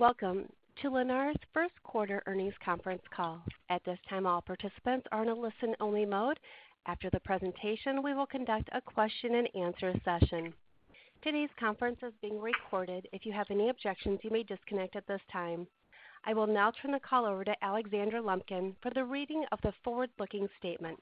Welcome to Lennar's First Quarter Earnings Conference Call. At this time, all participants are in a listen-only mode. After the presentation, we will conduct a question-and-answer session. Today's conference is being recorded. If you have any objections, you may disconnect at this time. I will now turn the call over to Alexandra Lumpkin for the reading of the forward-looking statement.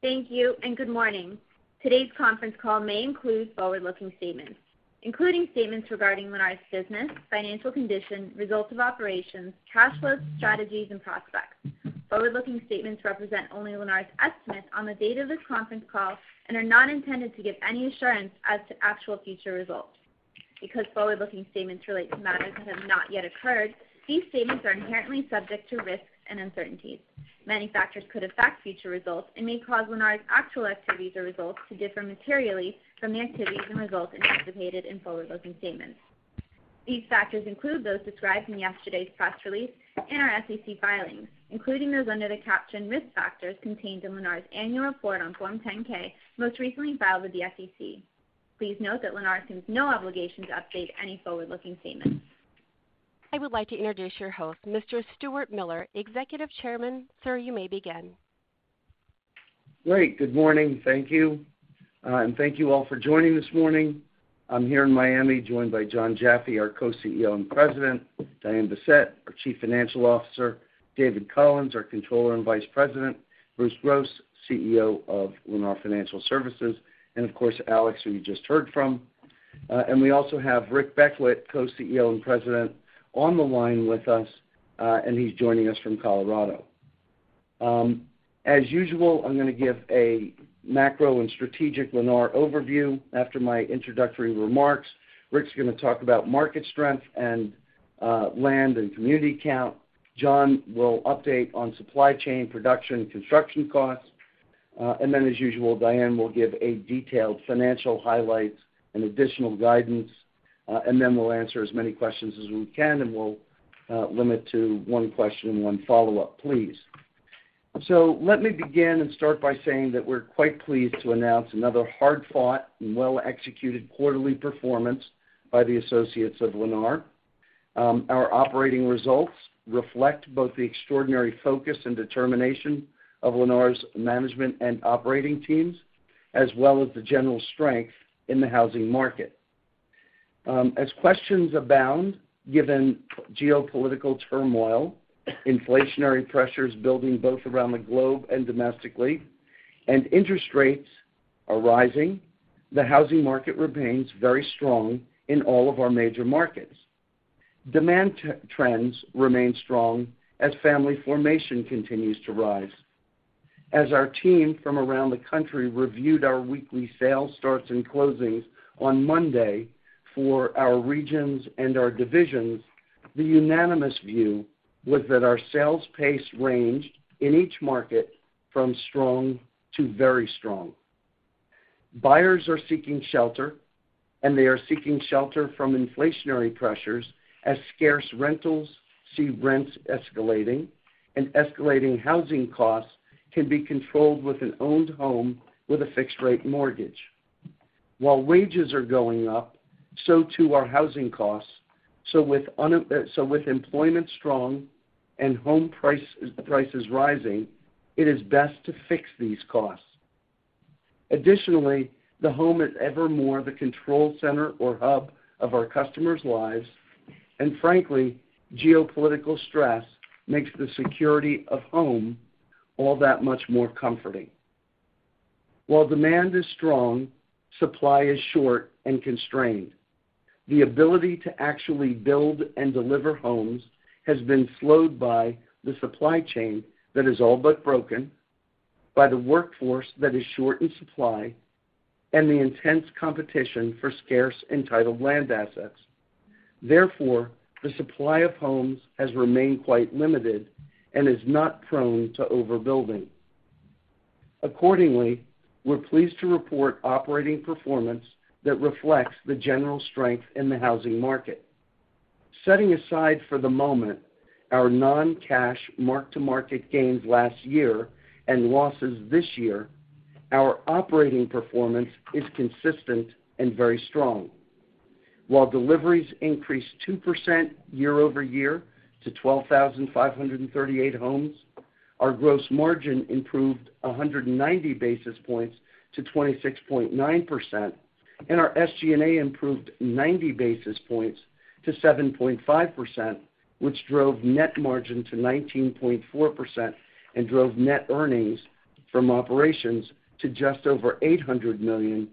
Thank you, and good morning. Today's conference call may include forward-looking statements, including statements regarding Lennar's business, financial condition, results of operations, cash flows, strategies, and prospects. Forward-looking statements represent only Lennar's estimate on the date of this conference call and are not intended to give any assurance as to actual future results. Because forward-looking statements relate to matters that have not yet occurred, these statements are inherently subject to risks and uncertainties. Many factors could affect future results and may cause Lennar's actual activities or results to differ materially from the activities and results anticipated in forward-looking statements. These factors include those described in yesterday's press release and our SEC filings, including those under the caption Risk Factors contained in Lennar's annual report on Form 10-K, most recently filed with the SEC. Please note that Lennar assumes no obligation to update any forward-looking statements. I would like to introduce your host, Mr. Stuart Miller, Executive Chairman. Sir, you may begin. Great. Good morning. Thank you. Thank you all for joining this morning. I'm here in Miami, joined by Jon Jaffe, our Co-CEO and President, Diane Bessette, our Chief Financial Officer, David Collins, our Controller and Vice President, Bruce Gross, CEO of Lennar Financial Services, and of course, Alex, who you just heard from. We also have Rick Beckwitt, Co-CEO and President, on the line with us, and he's joining us from Colorado. As usual, I'm gonna give a macro and strategic Lennar overview. After my introductory remarks, Rick's gonna talk about market strength and land and community count. Jon will update on supply chain, production, construction costs. As usual, Diane will give a detailed financial highlights and additional guidance, and then we'll answer as many questions as we can, and we'll limit to one question and one follow-up, please. Let me begin and start by saying that we're quite pleased to announce another hard-fought and well-executed quarterly performance by the associates of Lennar. Our operating results reflect both the extraordinary focus and determination of Lennar's management and operating teams, as well as the general strength in the housing market. As questions abound, given geopolitical turmoil, inflationary pressures building both around the globe and domestically, and interest rates are rising. The housing market remains very strong in all of our major markets. Demand trends remain strong as family formation continues to rise. As our team from around the country reviewed our weekly sales starts and closings on Monday for our regions and our divisions, the unanimous view was that our sales pace ranged in each market from strong to very strong. Buyers are seeking shelter, and they are seeking shelter from inflationary pressures as scarce rentals see rents escalating, and escalating housing costs can be controlled with an owned home with a fixed-rate mortgage. While wages are going up, so too are housing costs, so with employment strong and home prices rising, it is best to fix these costs. Additionally, the home is ever more the control center or hub of our customers' lives. Frankly, geopolitical stress makes the security of home all that much more comforting. While demand is strong, supply is short and constrained. The ability to actually build and deliver homes has been slowed by the supply chain that is all but broken, by the workforce that is short in supply, and the intense competition for scarce and titled land assets. Therefore, the supply of homes has remained quite limited and is not prone to overbuilding. Accordingly, we're pleased to report operating performance that reflects the general strength in the housing market. Setting aside for the moment our non-cash mark-to-market gains last year and losses this year, our operating performance is consistent and very strong. While deliveries increased 2% year-over-year to 12,538 homes, our gross margin improved 190 basis points to 26.9%, and our SG&A improved 90 basis points to 7.5%, which drove net margin to 19.4% and drove net earnings from operations to just over $800 million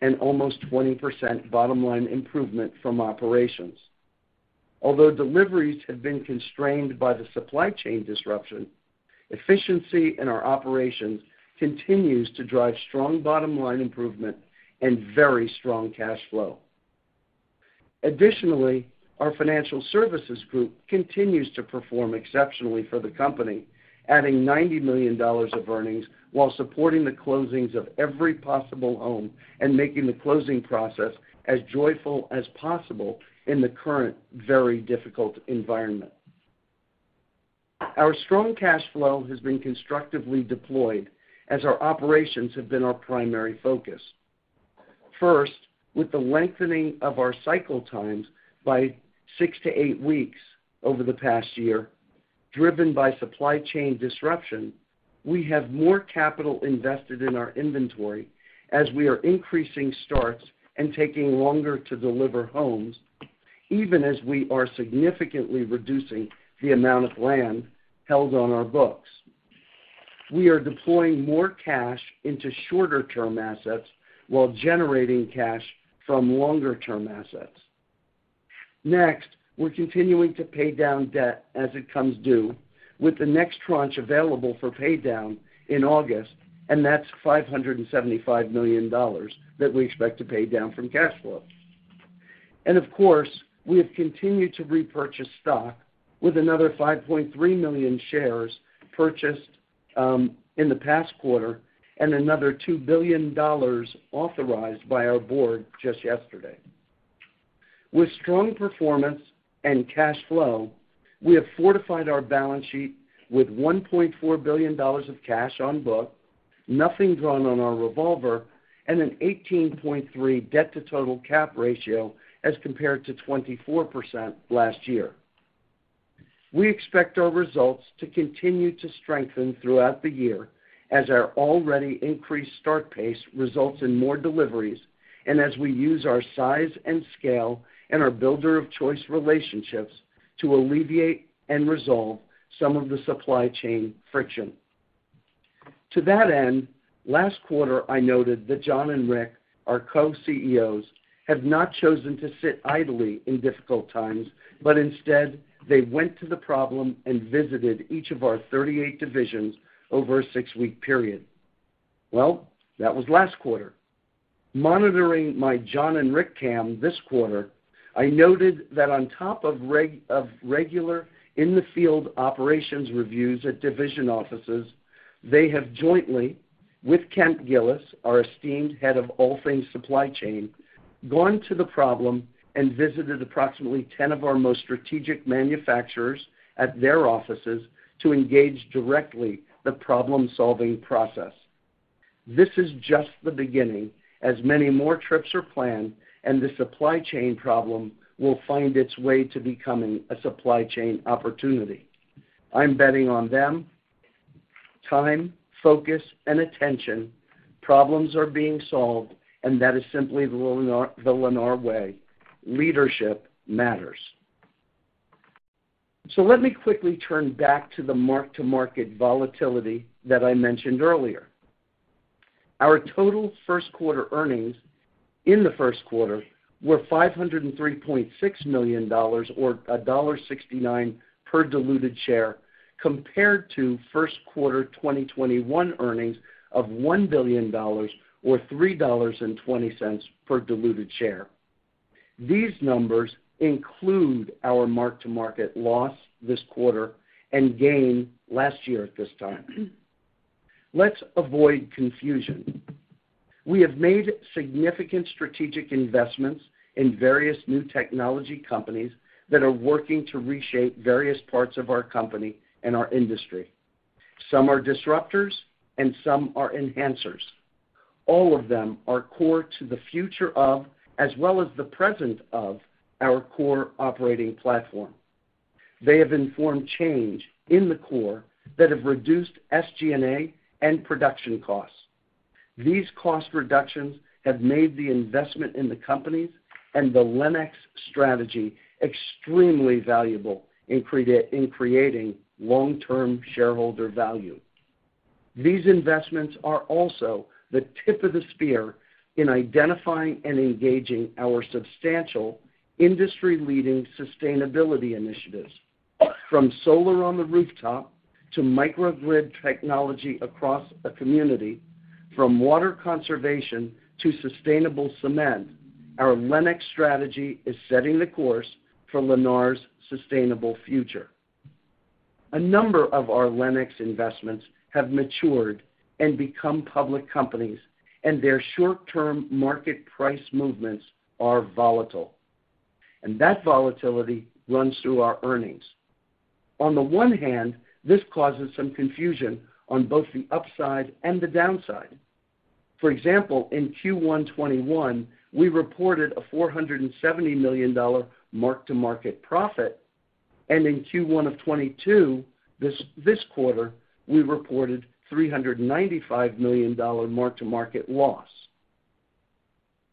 and almost 20% bottom line improvement from operations. Although deliveries have been constrained by the supply chain disruption, efficiency in our operations continues to drive strong bottom-line improvement and very strong cash flow. Additionally, our financial services group continues to perform exceptionally for the company, adding $90 million of earnings while supporting the closings of every possible home and making the closing process as joyful as possible in the current very difficult environment. Our strong cash flow has been constructively deployed as our operations have been our primary focus. First, with the lengthening of our cycle times by six to eight weeks over the past year, driven by supply chain disruption, we have more capital invested in our inventory as we are increasing starts and taking longer to deliver homes, even as we are significantly reducing the amount of land held on our books. We are deploying more cash into shorter-term assets while generating cash from longer-term assets. Next, we're continuing to pay down debt as it comes due with the next tranche available for pay down in August, and that's $575 million that we expect to pay down from cash flow. Of course, we have continued to repurchase stock with another 5.3 million shares purchased in the past quarter and another $2 billion authorized by our board just yesterday. With strong performance and cash flow, we have fortified our balance sheet with $1.4 billion of cash on book, nothing drawn on our revolver, and an 18.3 debt to total cap ratio as compared to 24% last year. We expect our results to continue to strengthen throughout the year as our already increased start pace results in more deliveries and as we use our size and scale and our builder of choice relationships to alleviate and resolve some of the supply chain friction. To that end, last quarter, I noted that Jon and Rick, our Co-CEOs, have not chosen to sit idly in difficult times, but instead, they went to the problem and visited each of our 38 divisions over a six-week period. Well, that was last quarter. Monitoring my Jon and Rick cam this quarter, I noted that on top of regular in-the-field operations reviews at division offices, they have jointly, with Kemp Gillis, our esteemed head of all things supply chain, gone to the problem and visited approximately 10 of our most strategic manufacturers at their offices to engage directly the problem-solving process. This is just the beginning as many more trips are planned and the supply chain problem will find its way to becoming a supply chain opportunity. I'm betting on them, time, focus, and attention. Problems are being solved, and that is simply the Lennar way. Leadership matters. Let me quickly turn back to the mark-to-market volatility that I mentioned earlier. Our total first quarter earnings in the first quarter were $503.6 million or $1.69 per diluted share compared to first quarter 2021 earnings of $1 billion or $3.20 per diluted share. These numbers include our mark-to-market loss this quarter and gain last year at this time. Let's avoid confusion. We have made significant strategic investments in various new technology companies that are working to reshape various parts of our company and our industry. Some are disruptors, and some are enhancers. All of them are core to the future of, as well as the present of, our core operating platform. They have informed change in the core that have reduced SG&A and production costs. These cost reductions have made the investment in the companies and the LENX strategy extremely valuable in creating long-term shareholder value. These investments are also the tip of the spear in identifying and engaging our substantial industry-leading sustainability initiatives. From solar on the rooftop to microgrid technology across a community, from water conservation to sustainable cement, our LENX strategy is setting the course for Lennar's sustainable future. A number of our LENX investments have matured and become public companies, and their short-term market price movements are volatile, and that volatility runs through our earnings. On the one hand, this causes some confusion on both the upside and the downside. For example, in Q1 2021, we reported a $470 million mark-to-market profit, and in Q1 of 2022, this quarter, we reported a $395 million mark-to-market loss.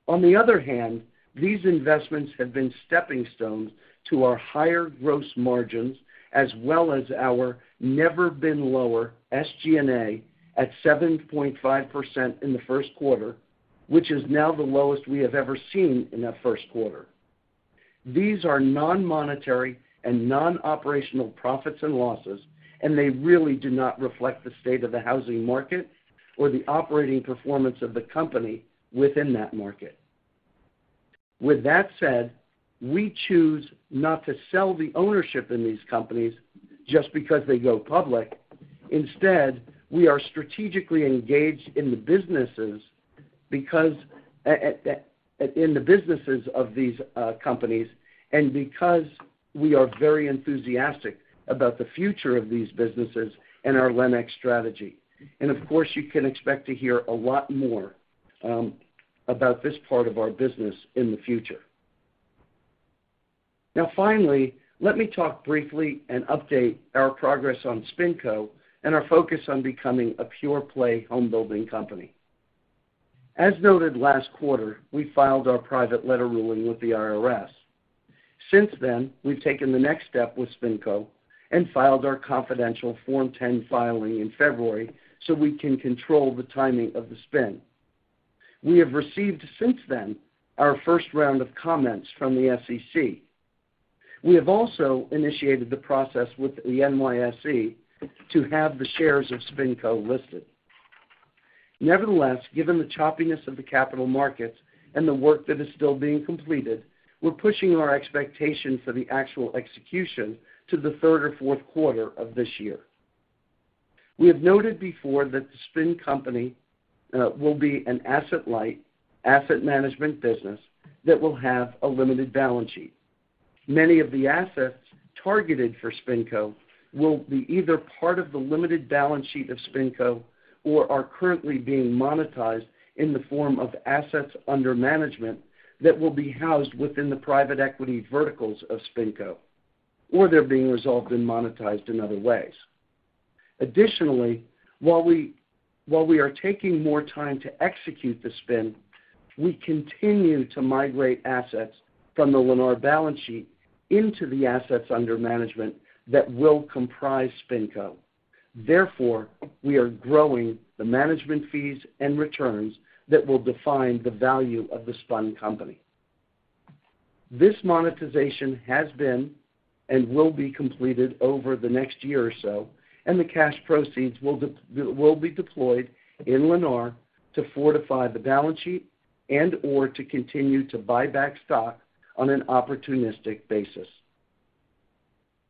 On the other hand, these investments have been stepping stones to our higher gross margins as well as our never been lower SG&A at 7.5% in the first quarter, which is now the lowest we have ever seen in a first quarter. These are non-monetary and non-operational profits and losses, and they really do not reflect the state of the housing market or the operating performance of the company within that market. With that said, we choose not to sell the ownership in these companies just because they go public. Instead, we are strategically engaged in the businesses of these companies because we are very enthusiastic about the future of these businesses and our LENX strategy. Of course, you can expect to hear a lot more about this part of our business in the future. Now, finally, let me talk briefly and update our progress on SpinCo and our focus on becoming a pure-play home building company. As noted last quarter, we filed our private letter ruling with the IRS. Since then, we've taken the next step with SpinCo and filed our confidential Form 10 filing in February, so we can control the timing of the spin. We have received since then our first round of comments from the SEC. We have also initiated the process with the NYSE to have the shares of SpinCo listed. Nevertheless, given the choppiness of the capital markets and the work that is still being completed, we're pushing our expectation for the actual execution to the third or fourth quarter of this year. We have noted before that the SpinCo company will be an asset-light asset management business that will have a limited balance sheet. Many of the assets targeted for SpinCo will be either part of the limited balance sheet of SpinCo or are currently being monetized in the form of assets under management that will be housed within the private equity verticals of SpinCo, or they're being resolved and monetized in other ways. Additionally, while we are taking more time to execute the spin, we continue to migrate assets from the Lennar balance sheet into the assets under management that will comprise SpinCo. Therefore, we are growing the management fees and returns that will define the value of the spun company. This monetization has been and will be completed over the next year or so, and the cash proceeds will be deployed in Lennar to fortify the balance sheet and/or to continue to buy back stock on an opportunistic basis.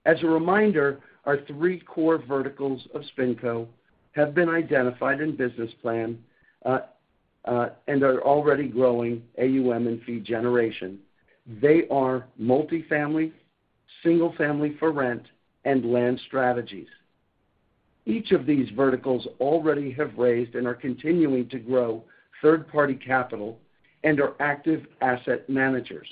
As a reminder, our three core verticals of SpinCo have been identified in business plan, and are already growing AUM and fee generation. They are multifamily, single family for rent, and land strategies. Each of these verticals already have raised and are continuing to grow third-party capital and are active asset managers.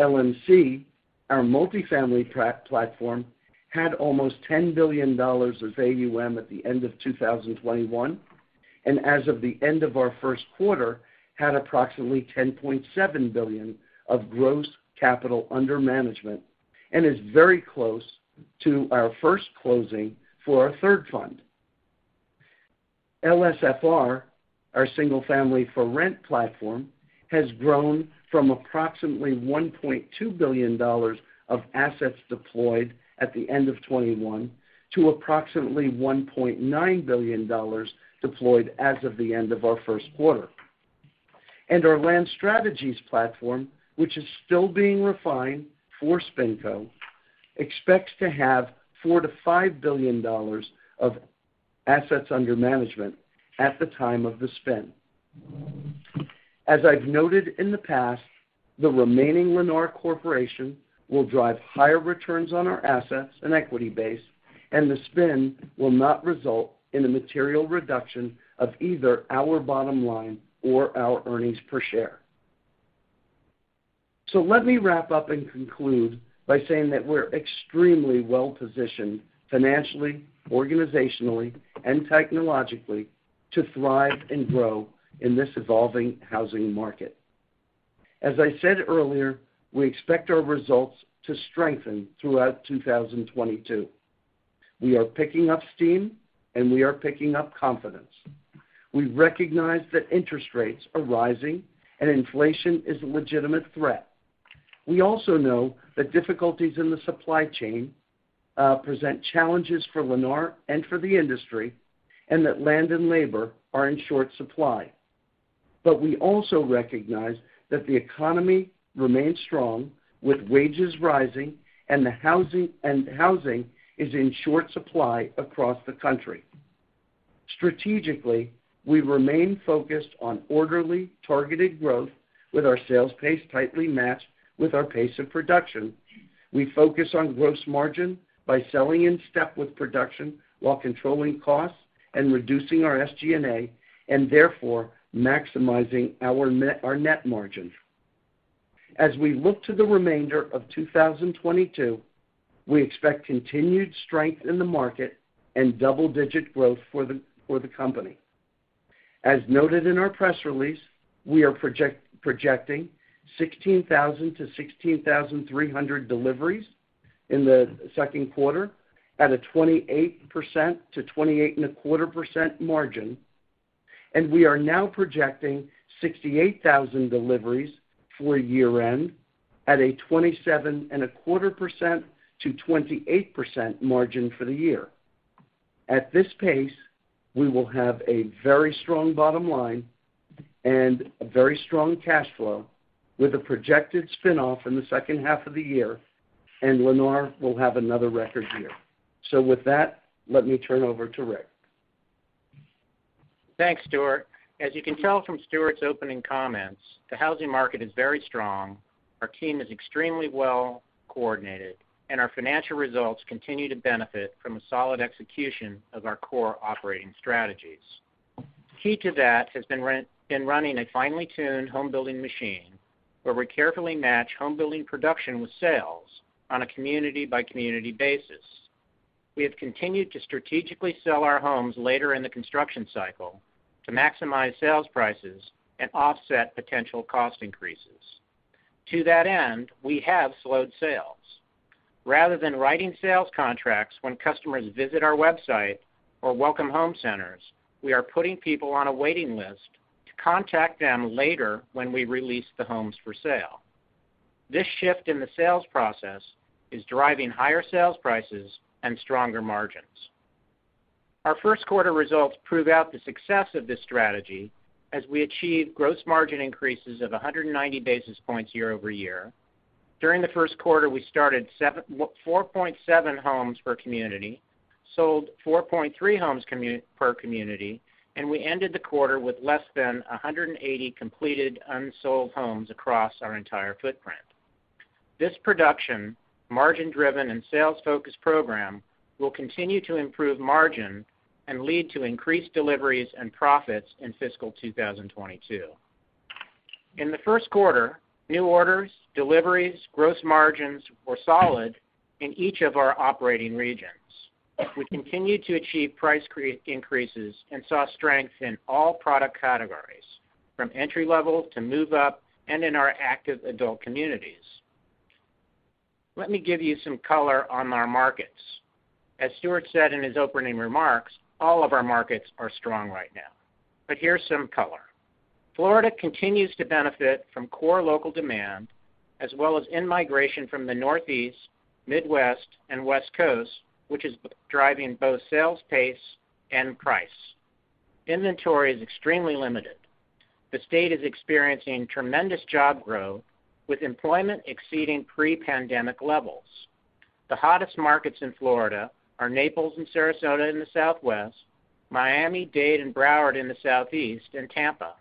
LMC, our multifamily platform, had almost $10 billion of AUM at the end of 2021, and as of the end of our first quarter, had approximately $10.7 billion of gross capital under management and is very close to our first closing for our third fund. LSFR, our single family for rent platform, has grown from approximately $1.2 billion of assets deployed at the end of 2021 to approximately $1.9 billion deployed as of the end of our first quarter. Our land strategies platform, which is still being refined for SpinCo, expects to have $4 billion-$5 billion of assets under management at the time of the spin. As I've noted in the past, the remaining Lennar Corporation will drive higher returns on our assets and equity base, and the spin will not result in a material reduction of either our bottom line or our earnings per share. Let me wrap up and conclude by saying that we're extremely well-positioned financially, organizationally, and technologically to thrive and grow in this evolving housing market. As I said earlier, we expect our results to strengthen throughout 2022. We are picking up steam, and we are picking up confidence. We recognize that interest rates are rising and inflation is a legitimate threat. We also know that difficulties in the supply chain present challenges for Lennar and for the industry, and that land and labor are in short supply. We also recognize that the economy remains strong, with wages rising and housing is in short supply across the country. Strategically, we remain focused on orderly, targeted growth with our sales pace tightly matched with our pace of production. We focus on gross margin by selling in step with production while controlling costs and reducing our SG&A and therefore maximizing our net margin. As we look to the remainder of 2022, we expect continued strength in the market and double-digit growth for the company. As noted in our press release, we are projecting 16,000-16,300 deliveries in the second quarter at a 28%-28.25% margin, and we are now projecting 68,000 deliveries for year-end at a 27.25%-28% margin for the year. At this pace, we will have a very strong bottom line and a very strong cash flow with a projected spin-off in the second half of the year, and Lennar will have another record year. With that, let me turn over to Rick. Thanks, Stuart. As you can tell from Stuart's opening comments, the housing market is very strong, our team is extremely well-coordinated, and our financial results continue to benefit from a solid execution of our core operating strategies. Key to that has been running a finely tuned home building machine, where we carefully match home building production with sales on a community-by-community basis. We have continued to strategically sell our homes later in the construction cycle to maximize sales prices and offset potential cost increases. To that end, we have slowed sales. Rather than writing sales contracts when customers visit our website or Welcome Home Centers, we are putting people on a waiting list to contact them later when we release the homes for sale. This shift in the sales process is driving higher sales prices and stronger margins. Our first quarter results prove out the success of this strategy as we achieve gross margin increases of 190 basis points year-over-year. During the first quarter, we started 4.7 homes per community, sold 4.3 homes per community, and we ended the quarter with less than 180 completed unsold homes across our entire footprint. This production, margin-driven, and sales-focused program will continue to improve margin and lead to increased deliveries and profits in fiscal 2022. In the first quarter, new orders, deliveries, gross margins were solid in each of our operating regions. We continued to achieve price increases and saw strength in all product categories, from entry-level to move-up, and in our active adult communities. Let me give you some color on our markets. As Stuart said in his opening remarks, all of our markets are strong right now, but here's some color. Florida continues to benefit from core local demand as well as in-migration from the Northeast, Midwest, and West Coast, which is driving both sales pace and price. Inventory is extremely limited. The state is experiencing tremendous job growth, with employment exceeding pre-pandemic levels. The hottest markets in Florida are Naples and Sarasota in the southwest, Miami-Dade and Broward in the southeast, and Tampa.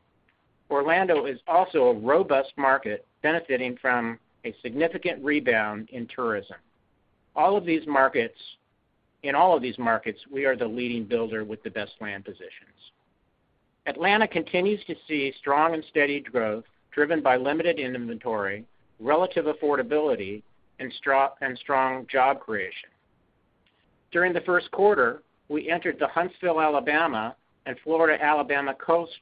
Orlando is also a robust market benefiting from a significant rebound in tourism. In all of these markets, we are the leading builder with the best land positions. Atlanta continues to see strong and steady growth driven by limited inventory, relative affordability, and strong job creation. During the first quarter, we entered the Huntsville, Alabama, and Alabama/Florida Gulf Coast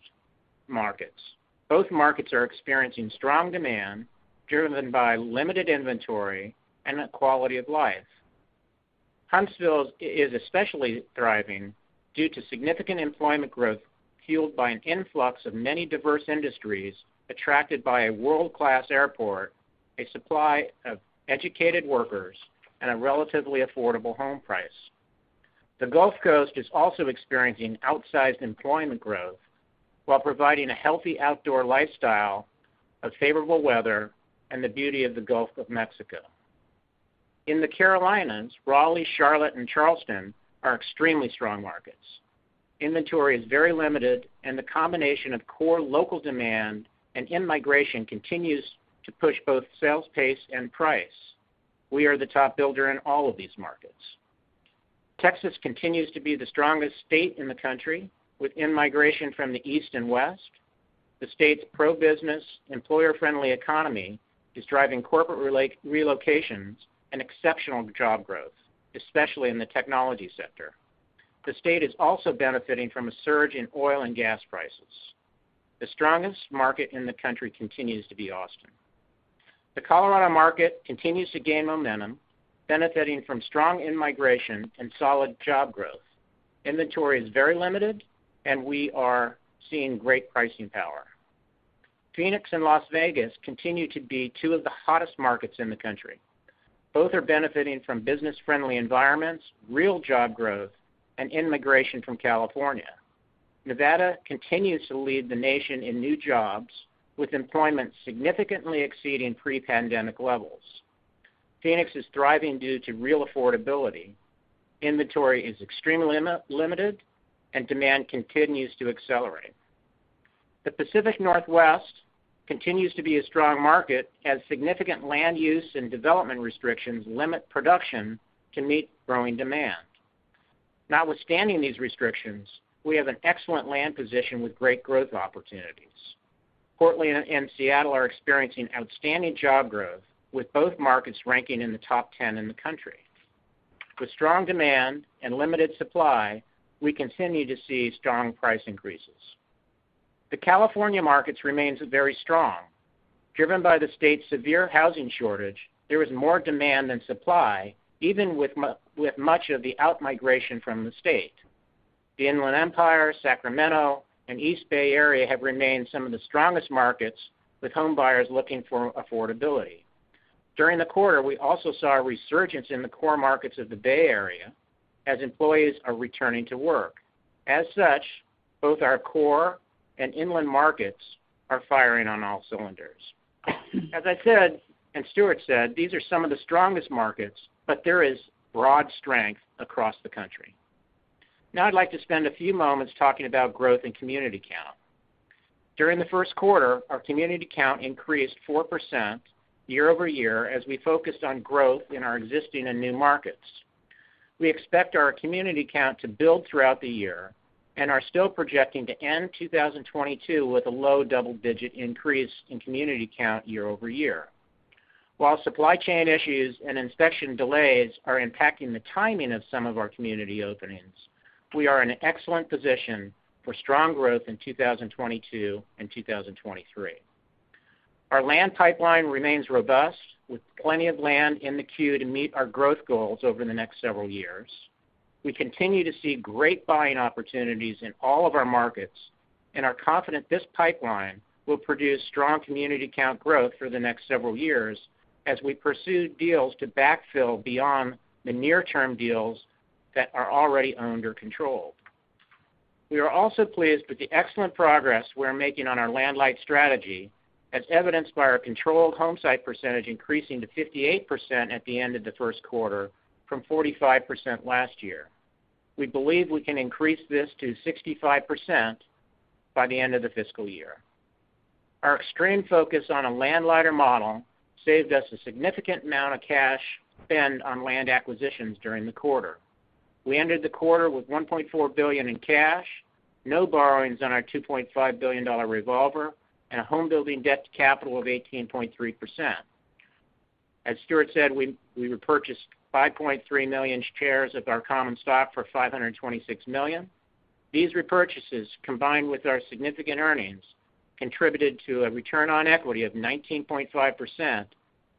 markets. Both markets are experiencing strong demand driven by limited inventory and the quality of life. Huntsville is especially thriving due to significant employment growth fueled by an influx of many diverse industries attracted by a world-class airport, a supply of educated workers, and a relatively affordable home price. The Gulf Coast is also experiencing outsized employment growth while providing a healthy outdoor lifestyle of favorable weather and the beauty of the Gulf of Mexico. In the Carolinas, Raleigh, Charlotte, and Charleston are extremely strong markets. Inventory is very limited, and the combination of core local demand and in-migration continues to push both sales pace and price. We are the top builder in all of these markets. Texas continues to be the strongest state in the country with in-migration from the East and West. The state's pro-business, employer-friendly economy is driving corporate relocations and exceptional job growth, especially in the technology sector. The state is also benefiting from a surge in oil and gas prices. The strongest market in the country continues to be Austin. The Colorado market continues to gain momentum, benefiting from strong in-migration and solid job growth. Inventory is very limited, and we are seeing great pricing power. Phoenix and Las Vegas continue to be two of the hottest markets in the country. Both are benefiting from business-friendly environments, real job growth, and in-migration from California. Nevada continues to lead the nation in new jobs, with employment significantly exceeding pre-pandemic levels. Phoenix is thriving due to real affordability. Inventory is extremely limited, and demand continues to accelerate. The Pacific Northwest continues to be a strong market as significant land use and development restrictions limit production to meet growing demand. Notwithstanding these restrictions, we have an excellent land position with great growth opportunities. Portland and Seattle are experiencing outstanding job growth, with both markets ranking in the top 10 in the country. With strong demand and limited supply, we continue to see strong price increases. The California markets remains very strong. Driven by the state's severe housing shortage, there is more demand than supply, even with much of the outmigration from the state. The Inland Empire, Sacramento, and East Bay Area have remained some of the strongest markets with home buyers looking for affordability. During the quarter, we also saw a resurgence in the core markets of the Bay Area as employees are returning to work. As such, both our core and inland markets are firing on all cylinders. As I said, and Stuart said, these are some of the strongest markets, but there is broad strength across the country. Now I'd like to spend a few moments talking about growth in community count. During the first quarter, our community count increased 4% year-over-year as we focused on growth in our existing and new markets. We expect our community count to build throughout the year and are still projecting to end 2022 with a low double-digit increase in community count year-over-year. While supply chain issues and inspection delays are impacting the timing of some of our community openings, we are in excellent position for strong growth in 2022 and 2023. Our land pipeline remains robust, with plenty of land in the queue to meet our growth goals over the next several years. We continue to see great buying opportunities in all of our markets and are confident this pipeline will produce strong community count growth for the next several years as we pursue deals to backfill beyond the near-term deals that are already owned or controlled. We are also pleased with the excellent progress we're making on our land light strategy, as evidenced by our controlled homesite percentage increasing to 58% at the end of the first quarter from 45% last year. We believe we can increase this to 65% by the end of the fiscal year. Our extreme focus on a land lighter model saved us a significant amount of cash spend on land acquisitions during the quarter. We ended the quarter with $1.4 billion in cash, no borrowings on our $2.5 billion revolver, and a home building debt to capital of 18.3%. As Stuart said, we repurchased 5.3 million shares of our common stock for $526 million. These repurchases, combined with our significant earnings, contributed to a return on equity of 19.5%,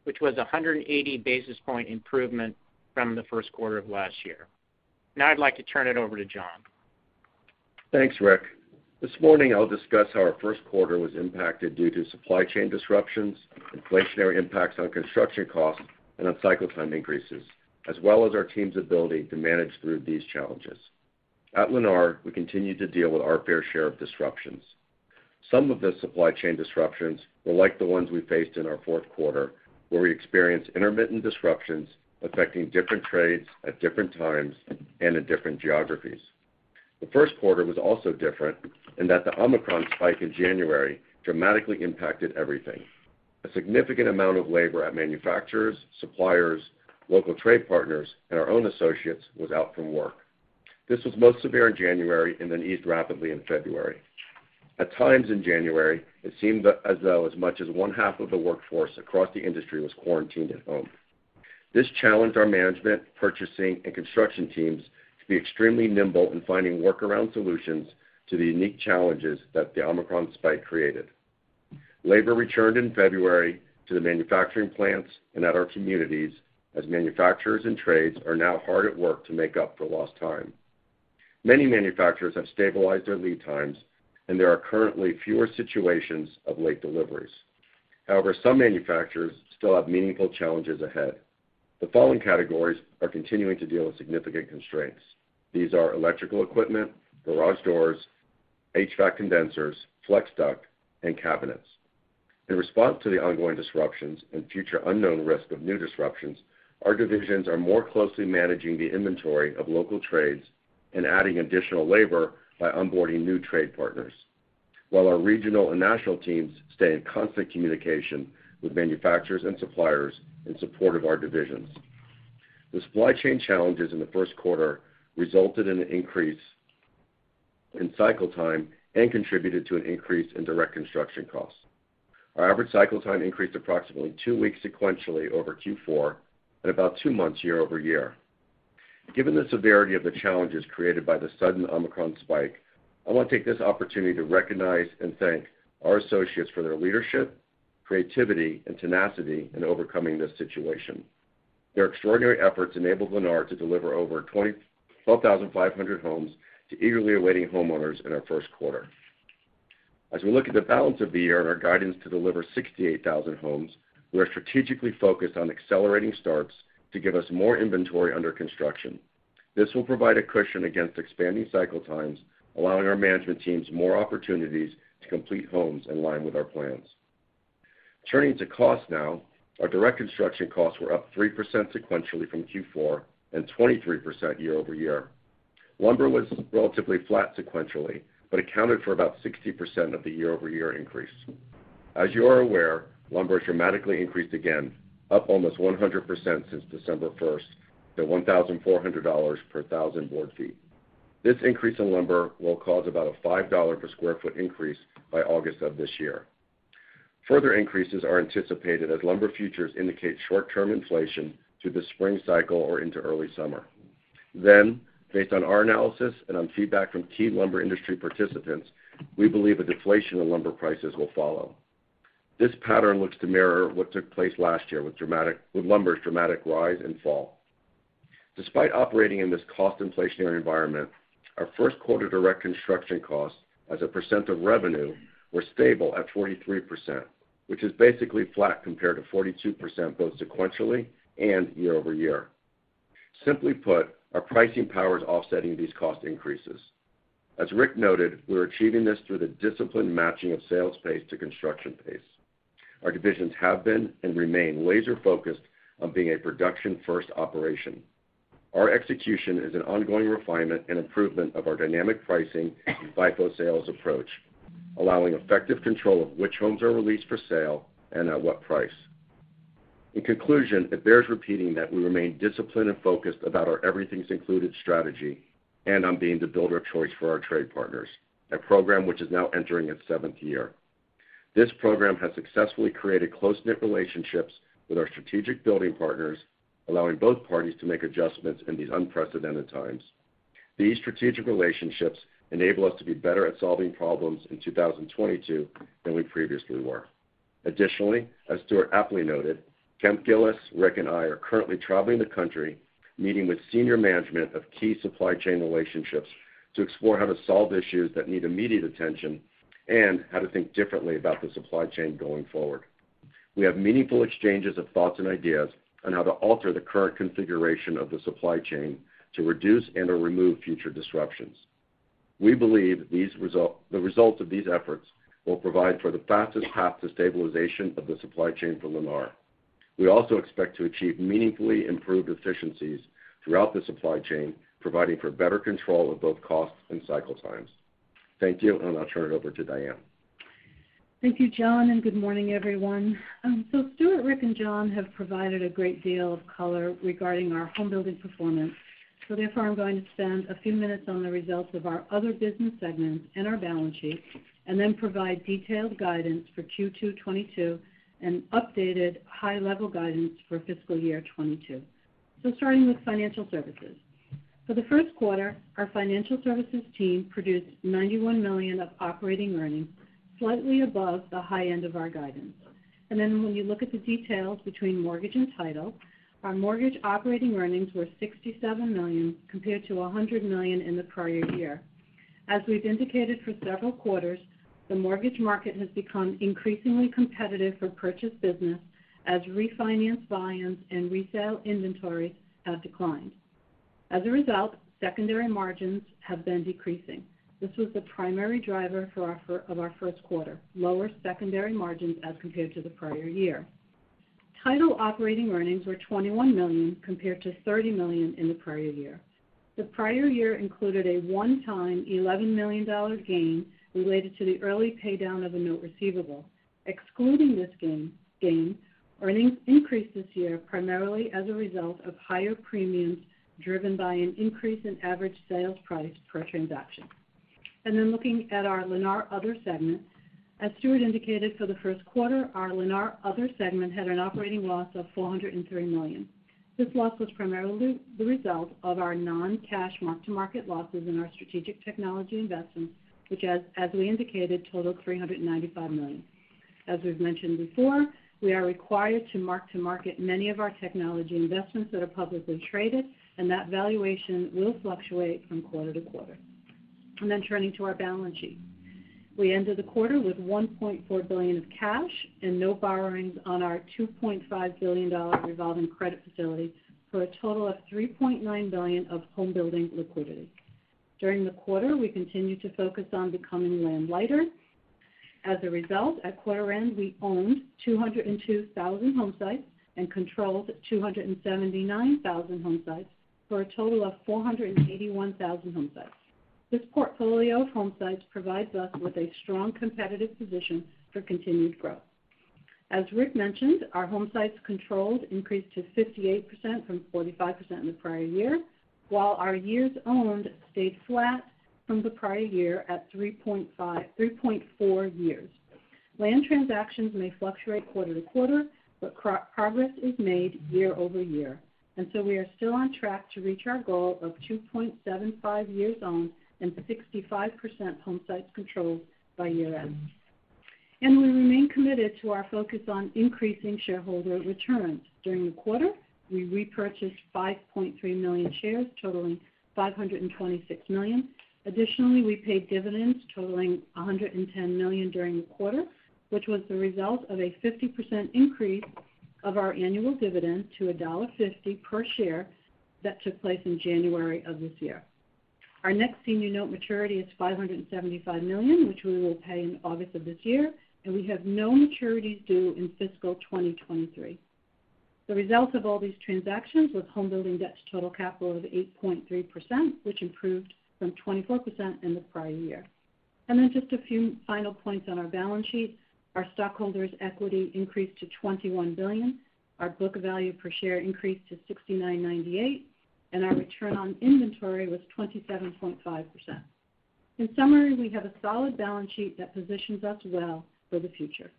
which was a 180 basis point improvement from the first quarter of last year. Now I'd like to turn it over to Jon. Thanks, Rick. This morning I'll discuss how our first quarter was impacted due to supply chain disruptions, inflationary impacts on construction costs, and on cycle time increases, as well as our team's ability to manage through these challenges. At Lennar, we continue to deal with our fair share of disruptions. Some of the supply chain disruptions were like the ones we faced in our fourth quarter, where we experienced intermittent disruptions affecting different trades at different times and in different geographies. The first quarter was also different in that the Omicron spike in January dramatically impacted everything. A significant amount of labor at manufacturers, suppliers, local trade partners, and our own associates was out from work. This was most severe in January and then eased rapidly in February. At times in January, it seemed as though as much as one-half of the workforce across the industry was quarantined at home. This challenged our management, purchasing, and construction teams to be extremely nimble in finding workaround solutions to the unique challenges that the Omicron spike created. Labor returned in February to the manufacturing plants and at our communities, as manufacturers and trades are now hard at work to make up for lost time. Many manufacturers have stabilized their lead times, and there are currently fewer situations of late deliveries. However, some manufacturers still have meaningful challenges ahead. The following categories are continuing to deal with significant constraints. These are electrical equipment, garage doors, HVAC condensers, flex duct, and cabinets. In response to the ongoing disruptions and future unknown risk of new disruptions, our divisions are more closely managing the inventory of local trades and adding additional labor by onboarding new trade partners, while our regional and national teams stay in constant communication with manufacturers and suppliers in support of our divisions. The supply chain challenges in the first quarter resulted in an increase in cycle time and contributed to an increase in direct construction costs. Our average cycle time increased approximately two weeks sequentially over Q4 and about two months year-over-year. Given the severity of the challenges created by the sudden Omicron spike, I want to take this opportunity to recognize and thank our associates for their leadership, creativity, and tenacity in overcoming this situation. Their extraordinary efforts enabled Lennar to deliver over 21,250 homes to eagerly awaiting homeowners in our first quarter. As we look at the balance of the year and our guidance to deliver 68,000 homes, we are strategically focused on accelerating starts to give us more inventory under construction. This will provide a cushion against expanding cycle times, allowing our management teams more opportunities to complete homes in line with our plans. Turning to cost now, our direct construction costs were up 3% sequentially from Q4 and 23% year-over-year. Lumber was relatively flat sequentially, but accounted for about 60% of the year-over-year increase. As you are aware, lumber dramatically increased again, up almost 100% since December 1st to $1,400 per thousand board feet. This increase in lumber will cause about a $5 per sq ft increase by August of this year. Further increases are anticipated as lumber futures indicate short-term inflation through the spring cycle or into early summer. Then, based on our analysis and on feedback from key lumber industry participants, we believe a deflation of lumber prices will follow. This pattern looks to mirror what took place last year with lumber's dramatic rise and fall. Despite operating in this cost inflationary environment, our first quarter direct construction costs as a percent of revenue were stable at 43%, which is basically flat compared to 42% both sequentially and year-over-year. Simply put, our pricing power is offsetting these cost increases. As Rick noted, we're achieving this through the disciplined matching of sales pace to construction pace. Our divisions have been and remain laser-focused on being a production-first operation. Our execution is an ongoing refinement and improvement of our dynamic pricing and FIFO sales approach, allowing effective control of which homes are released for sale and at what price. In conclusion, it bears repeating that we remain disciplined and focused about our Everything's Included strategy and on being the builder of choice for our trade partners, a program which is now entering its seventh year. This program has successfully created close-knit relationships with our strategic building partners, allowing both parties to make adjustments in these unprecedented times. These strategic relationships enable us to be better at solving problems in 2022 than we previously were. Additionally, as Stuart aptly noted, Kemp Gillis, Rick, and I are currently traveling the country, meeting with senior management of key supply chain relationships to explore how to solve issues that need immediate attention and how to think differently about the supply chain going forward. We have meaningful exchanges of thoughts and ideas on how to alter the current configuration of the supply chain to reduce and/or remove future disruptions. We believe the results of these efforts will provide for the fastest path to stabilization of the supply chain for Lennar. We also expect to achieve meaningfully improved efficiencies throughout the supply chain, providing for better control of both costs and cycle times. Thank you, and I'll turn it over to Diane. Thank you, Jon, and good morning, everyone. Stuart, Rick, and Jon have provided a great deal of color regarding our homebuilding performance. Therefore, I'm going to spend a few minutes on the results of our other business segments and our balance sheet, and then provide detailed guidance for Q2 2022 and updated high-level guidance for fiscal year 2022. Starting with financial services. For the first quarter, our financial services team produced $91 million of operating earnings, slightly above the high end of our guidance. When you look at the details between mortgage and title, our mortgage operating earnings were $67 million compared to $100 million in the prior year. As we've indicated for several quarters, the mortgage market has become increasingly competitive for purchase business as refinance volumes and resale inventory have declined. As a result, secondary margins have been decreasing. This was the primary driver for our first quarter, lower secondary margins as compared to the prior year. Title operating earnings were $21 million compared to $30 million in the prior year. The prior year included a one-time $11 million gain related to the early paydown of a note receivable. Excluding this gain, earnings increased this year primarily as a result of higher premiums driven by an increase in average sales price per transaction. Looking at our Lennar Other segment. As Stuart indicated, for the first quarter, our Lennar Other segment had an operating loss of $403 million. This loss was primarily the result of our non-cash mark-to-market losses in our strategic technology investments, which, as we indicated, totaled $395 million. As we've mentioned before, we are required to mark to market many of our technology investments that are publicly traded, and that valuation will fluctuate from quarter to quarter. Then turning to our balance sheet. We ended the quarter with $1.4 billion of cash and no borrowings on our $2.5 billion revolving credit facility, for a total of $3.9 billion of homebuilding liquidity. During the quarter, we continued to focus on becoming land-lighter. As a result, at quarter end, we owned 202,000 homesites and controlled 279,000 homesites, for a total of 481,000 homesites. This portfolio of homesites provides us with a strong competitive position for continued growth. As Rick mentioned, our homesites controlled increased to 58% from 45% in the prior year, while our years owned stayed flat from the prior year at 3.4 years. Land transactions may fluctuate quarter to quarter, but progress is made year over year, so we are still on track to reach our goal of 2.75 years owned and 65% homesites controlled by year-end. We remain committed to our focus on increasing shareholder returns. During the quarter, we repurchased 5.3 million shares, totaling $526 million. Additionally, we paid dividends totaling $110 million during the quarter, which was the result of a 50% increase of our annual dividend to $1.50 per share that took place in January of this year. Our next senior note maturity is $575 million, which we will pay in August of this year, and we have no maturities due in fiscal 2023. The results of all these transactions with homebuilding debt to total capital of 8.3%, which improved from 24% in the prior year. Then just a few final points on our balance sheet. Our stockholders' equity increased to $21 billion. Our book value per share increased to $69.98, and our return on inventory was 27.5%. In summary, we have a solid balance sheet that positions us well for the future.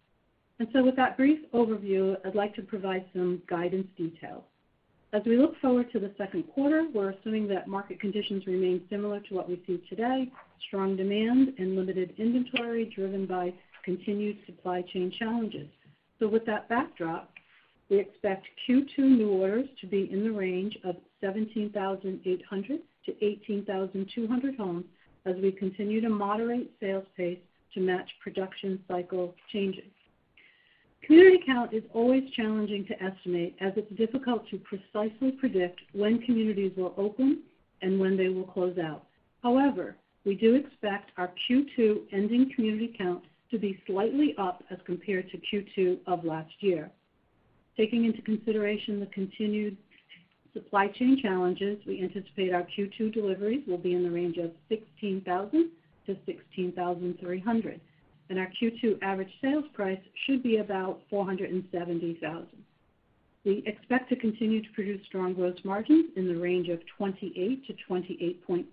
With that brief overview, I'd like to provide some guidance details. As we look forward to the second quarter, we're assuming that market conditions remain similar to what we see today, strong demand and limited inventory driven by continued supply chain challenges. With that backdrop, we expect Q2 new orders to be in the range of 17,800-18,200 homes as we continue to moderate sales pace to match production cycle changes. Community count is always challenging to estimate, as it's difficult to precisely predict when communities will open and when they will close out. However, we do expect our Q2 ending community count to be slightly up as compared to Q2 of last year. Taking into consideration the continued supply chain challenges, we anticipate our Q2 deliveries will be in the range of 16,000-16,300, and our Q2 average sales price should be about $470,000. We expect to continue to produce strong growth margins in the range of 28%-28.25%,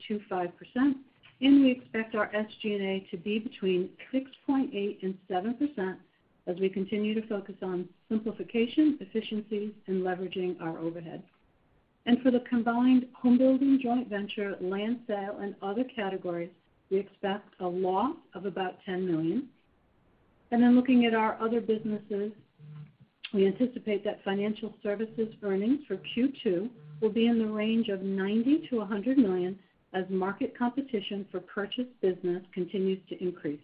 and we expect our SG&A to be between 6.8%-7% as we continue to focus on simplification, efficiency, and leveraging our overhead. For the combined home-building joint venture, land sale, and other categories, we expect a loss of about $10 million. Looking at our other businesses, we anticipate that financial services earnings for Q2 will be in the range of $90 million-$100 million as market competition for purchase business continues to increase.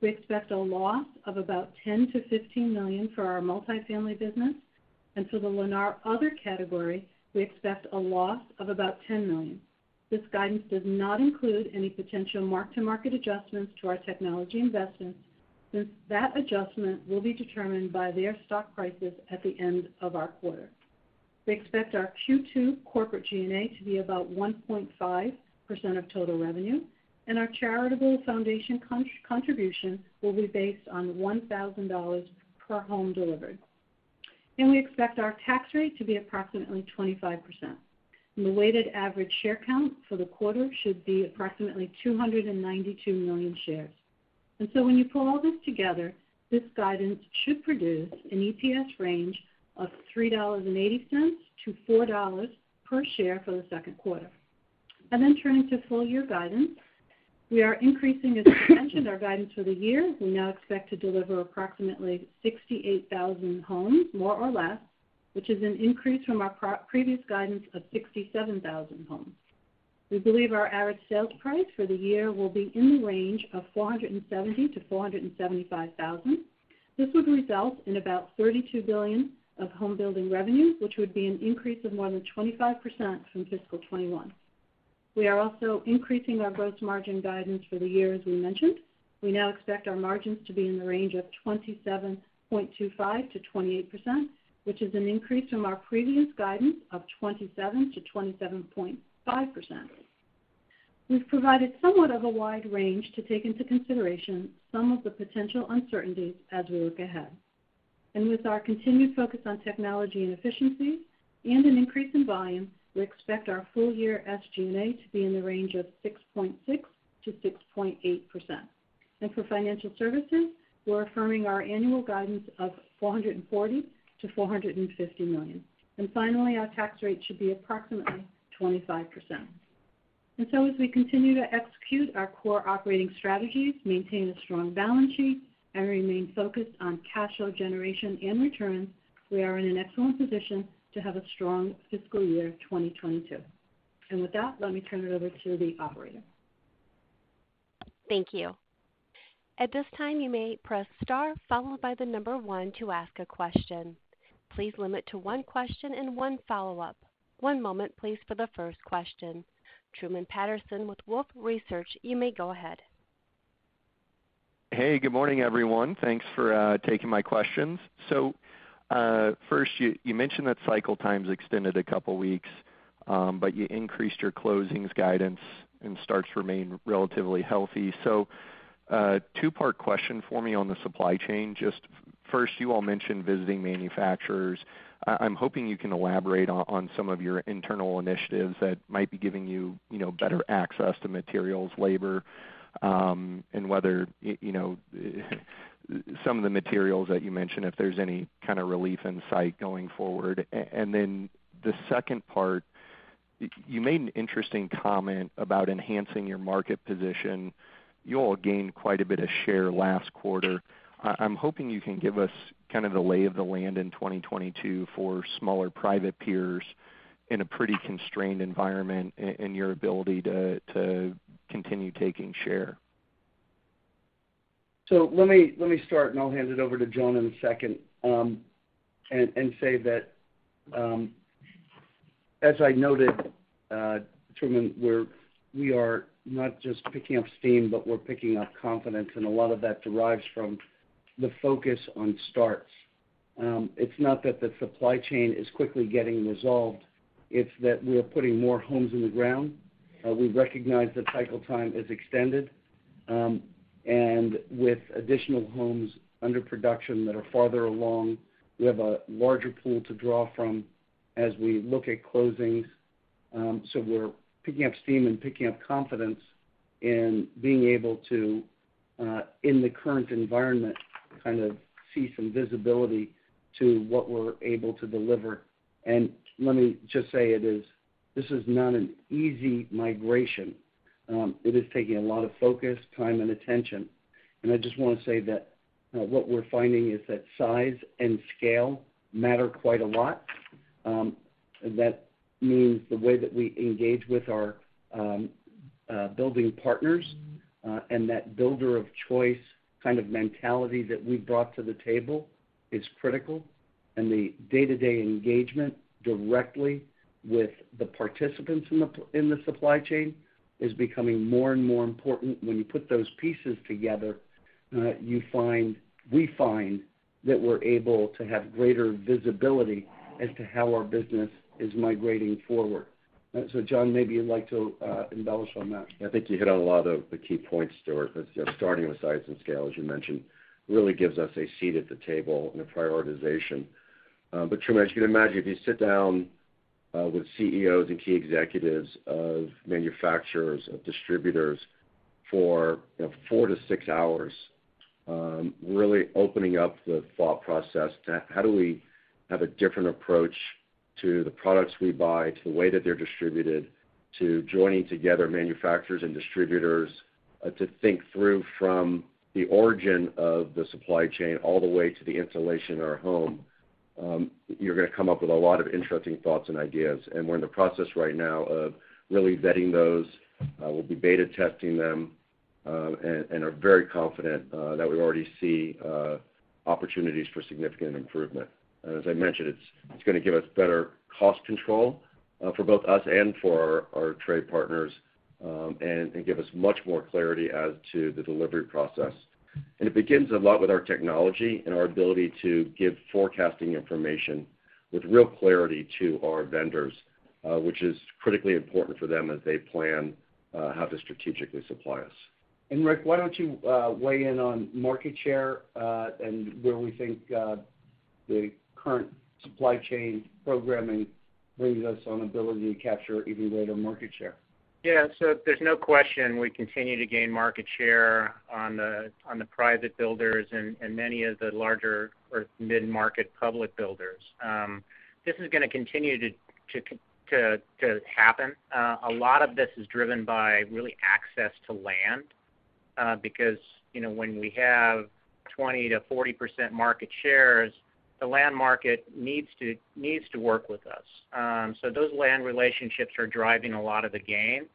We expect a loss of about $10 million-$15 million for our multifamily business, and for the Lennar Other category, we expect a loss of about $10 million. This guidance does not include any potential mark-to-market adjustments to our technology investments, since that adjustment will be determined by their stock prices at the end of our quarter. We expect our Q2 corporate G&A to be about 1.5% of total revenue, and our charitable foundation contribution will be based on $1,000 per home delivered. We expect our tax rate to be approximately 25%. The weighted average share count for the quarter should be approximately 292 million shares. When you pull all this together, this guidance should produce an EPS range of $3.80-$4 per share for the second quarter. Turning to full year guidance. We are increasing, as mentioned, our guidance for the year. We now expect to deliver approximately 68,000 homes, more or less, which is an increase from our previous guidance of 67,000 homes. We believe our average sales price for the year will be in the range of $470,000-$475,000. This would result in about $32 billion of home building revenue, which would be an increase of more than 25% from fiscal 2021. We are also increasing our gross margin guidance for the year, as we mentioned. We now expect our margins to be in the range of 27.25%-28%, which is an increase from our previous guidance of 27%-27.5%. We've provided somewhat of a wide range to take into consideration some of the potential uncertainties as we look ahead. With our continued focus on technology and efficiency and an increase in volume, we expect our full year SG&A to be in the range of 6.6%-6.8%. For financial services, we're affirming our annual guidance of $440 million-$450 million. Finally, our tax rate should be approximately 25%. As we continue to execute our core operating strategies, maintain a strong balance sheet, and remain focused on cash flow generation and returns, we are in an excellent position to have a strong fiscal year 2022. With that, let me turn it over to the operator. Thank you. Truman Patterson with Wolfe Research, you may go ahead. Hey, good morning, everyone. Thanks for taking my questions. First you mentioned that cycle time's extended a couple weeks, but you increased your closings guidance and starts to remain relatively healthy. Two-part question for me on the supply chain. Just first, you all mentioned visiting manufacturers. I'm hoping you can elaborate on some of your internal initiatives that might be giving you know, better access to materials, labor, and whether you know, some of the materials that you mentioned, if there's any kinda relief in sight going forward. Then the second part, you made an interesting comment about enhancing your market position. You all gained quite a bit of share last quarter. I'm hoping you can give us kind of the lay of the land in 2022 for smaller private peers in a pretty constrained environment and your ability to continue taking share? Let me start, and I'll hand it over to Jon in a second, and say that, as I noted, Truman, we are not just picking up steam, but we're picking up confidence, and a lot of that derives from the focus on starts. It's not that the supply chain is quickly getting resolved, it's that we are putting more homes in the ground. We recognize the cycle time is extended, and with additional homes under production that are farther along, we have a larger pool to draw from as we look at closings. We're picking up steam and picking up confidence in being able to, in the current environment, kind of see some visibility to what we're able to deliver. Let me just say this is not an easy migration. It is taking a lot of focus, time, and attention. I just wanna say that, what we're finding is that size and scale matter quite a lot. That means the way that we engage with our building partners and that builder of choice kind of mentality that we brought to the table is critical. The day-to-day engagement directly with the participants in the supply chain is becoming more and more important. When you put those pieces together, we find that we're able to have greater visibility as to how our business is migrating forward. Jon, maybe you'd like to embellish on that. I think you hit on a lot of the key points, Stuart. Yeah, starting with size and scale, as you mentioned, really gives us a seat at the table in the prioritization. Truman, as you can imagine, if you sit down with CEOs and key executives of manufacturers, of distributors for, you know, four to six hours, really opening up the thought process to how do we have a different approach to the products we buy, to the way that they're distributed, to joining together manufacturers and distributors, to think through from the origin of the supply chain all the way to the installation in our home, you're gonna come up with a lot of interesting thoughts and ideas. We're in the process right now of really vetting those. We'll be beta testing them and are very confident that we already see opportunities for significant improvement. As I mentioned, it's gonna give us better cost control for both us and for our trade partners, and give us much more clarity as to the delivery process. It begins a lot with our technology and our ability to give forecasting information with real clarity to our vendors, which is critically important for them as they plan how to strategically supply us. Rick, why don't you weigh in on market share and where we think the current supply chain programming brings us on ability to capture even greater market share. Yeah. There's no question we continue to gain market share on the private builders and many of the larger or mid-market public builders. This is gonna continue to happen. A lot of this is driven by really access to land, because, you know, when we have 20%-40% market shares, the land market needs to work with us. Those land relationships are driving a lot of the gain.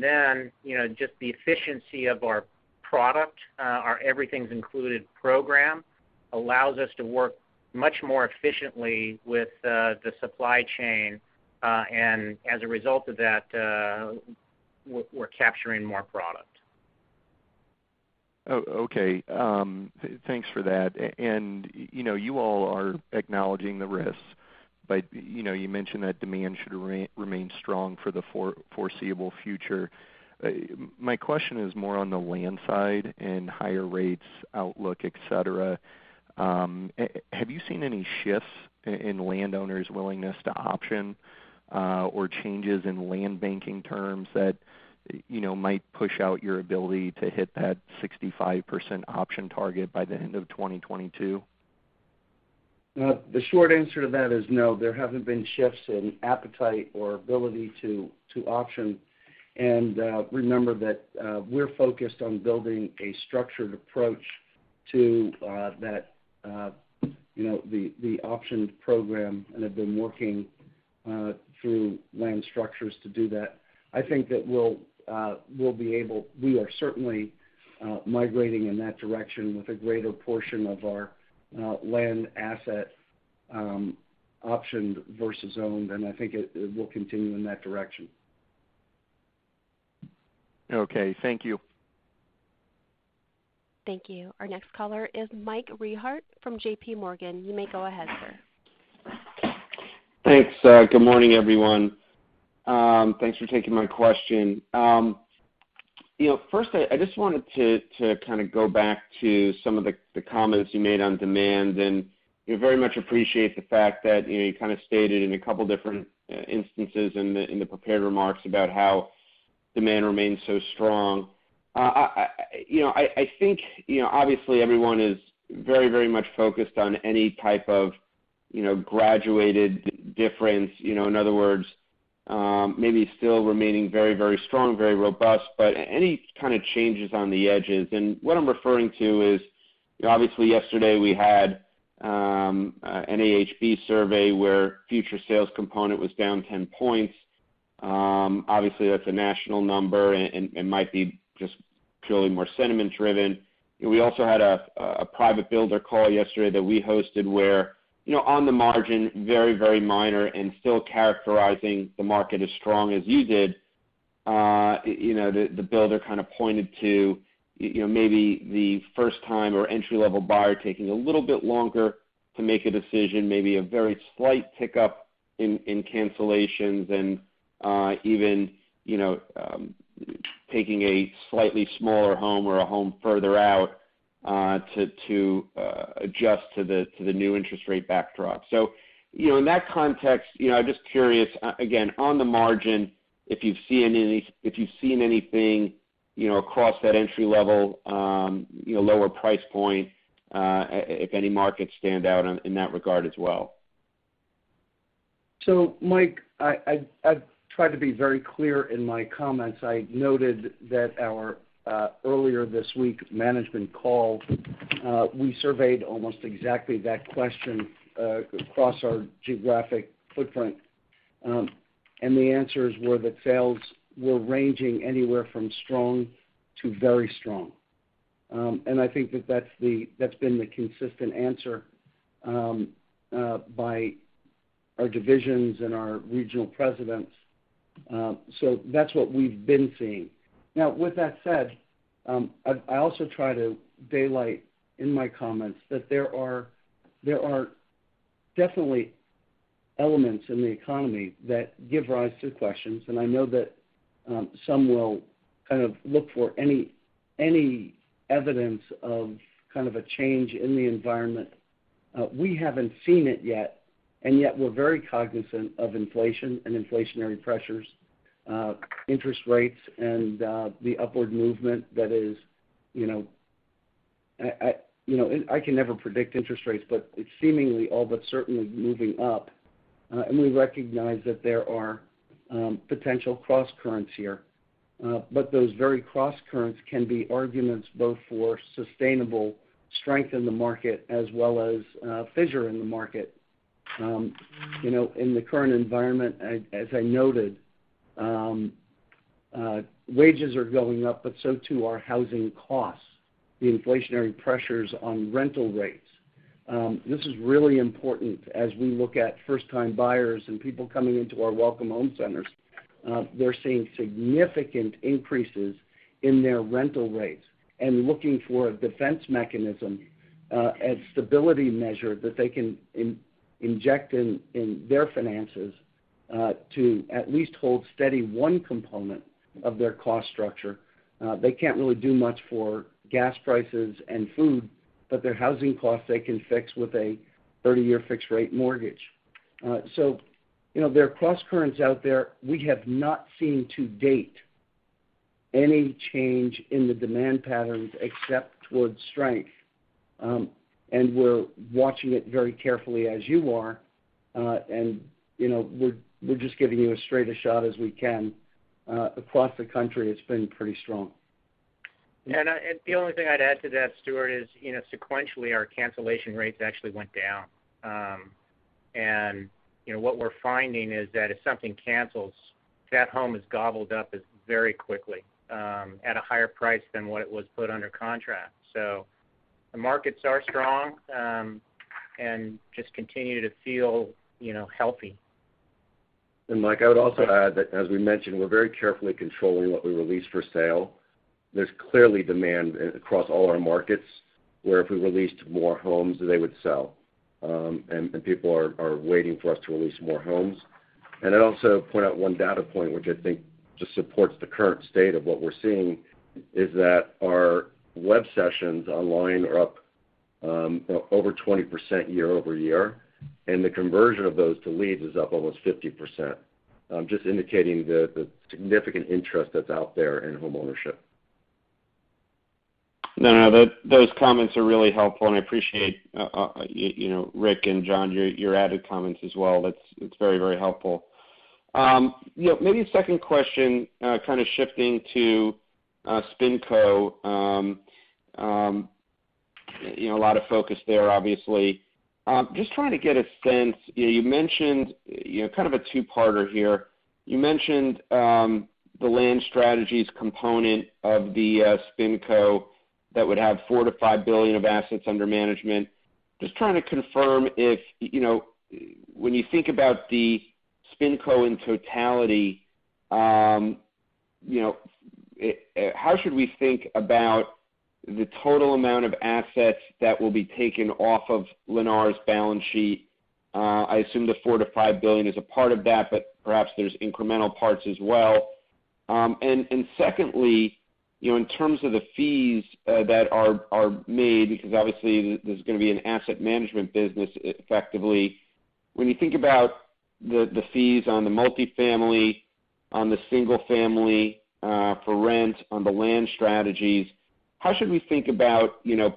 Then, you know, just the efficiency of our product, our Everything's Included program allows us to work much more efficiently with the supply chain. As a result of that, we're capturing more product. Oh, okay. Thanks for that. You know, you all are acknowledging the risks, but you know, you mentioned that demand should remain strong for the foreseeable future. My question is more on the land side and higher rates outlook, et cetera. Have you seen any shifts in landowners' willingness to option, or changes in land banking terms that, you know, might push out your ability to hit that 65% option target by the end of 2022? The short answer to that is no, there haven't been shifts in appetite or ability to option. Remember that we're focused on building a structured approach to that, you know, the option program and have been working through land structures to do that. I think that we are certainly migrating in that direction with a greater portion of our land asset optioned versus owned, and I think it will continue in that direction. Okay, thank you. Thank you. Our next caller is Michael Rehaut from JP Morgan. You may go ahead, sir. Thanks. Good morning, everyone. Thanks for taking my question. You know, first, I just wanted to kind of go back to some of the comments you made on demand, and you know, very much appreciate the fact that you know, you kind of stated in a couple different instances in the prepared remarks about how demand remains so strong. You know, I think you know, obviously everyone is very, very much focused on any type of you know, graduated difference. You know, in other words, maybe still remaining very, very strong, very robust, but any kind of changes on the edges. What I'm referring to is, obviously yesterday we had a NAHB survey where future sales component was down 10 points. Obviously that's a national number and it might be just purely more sentiment driven. You know, we also had a private builder call yesterday that we hosted where, you know, on the margin, very minor and still characterizing the market as strong as you did. You know, the builder kind of pointed to, you know, maybe the first time or entry-level buyer taking a little bit longer to make a decision, maybe a very slight pickup in cancellations and even, you know, taking a slightly smaller home or a home further out to adjust to the new interest rate backdrop. You know, in that context, you know, I'm just curious, again, on the margin, if you've seen anything, you know, across that entry-level, you know, lower price point, if any markets stand out in that regard as well. Mike, I've tried to be very clear in my comments. I noted that our earlier this week management call, we surveyed almost exactly that question across our geographic footprint. The answers were that sales were ranging anywhere from strong to very strong. I think that that's been the consistent answer by our divisions and our regional presidents. That's what we've been seeing. Now, with that said, I also try to daylight in my comments that there are definitely elements in the economy that give rise to questions. I know that some will kind of look for any evidence of kind of a change in the environment. We haven't seen it yet, and yet we're very cognizant of inflation and inflationary pressures, interest rates and the upward movement that is, you know. You know, I can never predict interest rates, but it's seemingly all but certainly moving up. We recognize that there are potential crosscurrents here. Those very crosscurrents can be arguments both for sustainable strength in the market as well as fissure in the market. You know, in the current environment, I, as I noted, wages are going up, but so too are housing costs, the inflationary pressures on rental rates. This is really important as we look at first-time buyers and people coming into our Welcome Home Centers. They're seeing significant increases in their rental rates and looking for a defense mechanism, a stability measure that they can inject in their finances to at least hold steady one component of their cost structure. They can't really do much for gas prices and food, but their housing costs they can fix with a 30-year fixed rate mortgage. You know, there are crosscurrents out there. We have not seen to date any change in the demand patterns except towards strength. We're watching it very carefully as you are, and, you know, we're just giving you as straight a shot as we can. Across the country, it's been pretty strong. Yeah, the only thing I'd add to that, Stuart, is, you know, sequentially, our cancellation rates actually went down. You know, what we're finding is that if something cancels, that home is gobbled up very quickly at a higher price than what it was put under contract. The markets are strong, and just continue to feel, you know, healthy. Mike, I would also add that as we mentioned, we're very carefully controlling what we release for sale. There's clearly demand across all our markets, where if we released more homes, they would sell. People are waiting for us to release more homes. I'd also point out one data point, which I think just supports the current state of what we're seeing, is that our web sessions online are up over 20% year-over-year, and the conversion of those to leads is up almost 50%, just indicating the significant interest that's out there in homeownership. No, those comments are really helpful, and I appreciate you know, Rick and Jon, your added comments as well. That's very helpful. You know, maybe a second question, kind of shifting to SpinCo. You know, a lot of focus there, obviously. Just trying to get a sense. You know, you mentioned kind of a two-parter here. You mentioned the land strategies component of the SpinCo that would have $4 billion-$5 billion of assets under management. Just trying to confirm if, you know, when you think about the SpinCo in totality, you know, how should we think about the total amount of assets that will be taken off of Lennar's balance sheet? I assume the $4 billion-$5 billion is a part of that, but perhaps there's incremental parts as well. Secondly, you know, in terms of the fees that are made, because obviously there's gonna be an asset management business effectively. When you think about the fees on the multifamily, on the single-family for rent, on the land strategies, how should we think about, you know,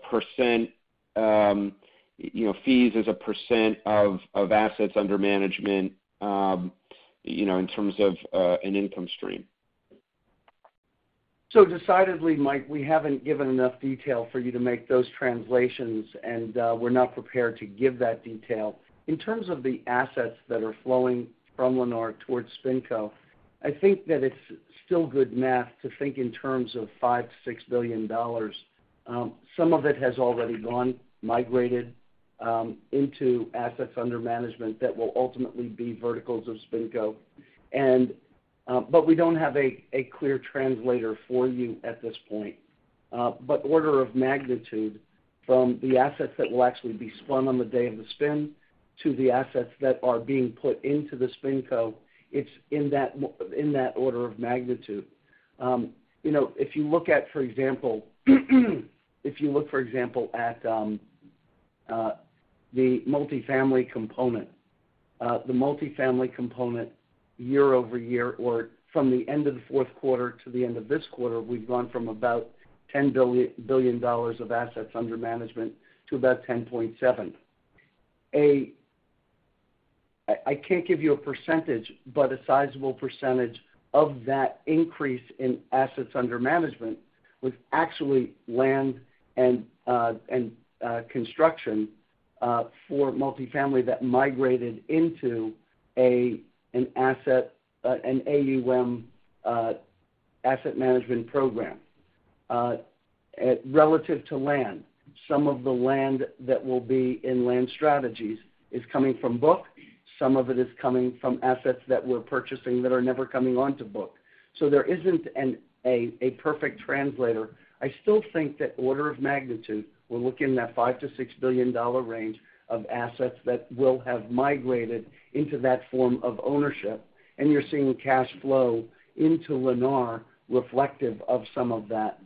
fees as a percent of assets under management, you know, in terms of an income stream? Decidedly, Mike, we haven't given enough detail for you to make those translations, and we're not prepared to give that detail. In terms of the assets that are flowing from Lennar towards SpinCo, I think that it's still good math to think in terms of $5 billion-$6 billion. Some of it has already gone, migrated, into assets under management that will ultimately be verticals of SpinCo. But we don't have a clear translator for you at this point. But order of magnitude from the assets that will actually be spun on the day of the spin to the assets that are being put into the SpinCo, it's in that order of magnitude. You know, if you look at, for example, at the multifamily component. The multifamily component. Year-over-year or from the end of the fourth quarter to the end of this quarter, we've gone from about $10 billion of assets under management to about $10.7 billion. I can't give you a percentage, but a sizable percentage of that increase in assets under management was actually land and construction for multifamily that migrated into an AUM asset management program. Relative to land, some of the land that will be in land strategies is coming from book. Some of it is coming from assets that we're purchasing that are never coming onto book. So there isn't a perfect translator. I still think that order of magnitude, we're looking in that $5 billion-$6 billion range of assets that will have migrated into that form of ownership, and you're seeing cash flow into Lennar reflective of some of that,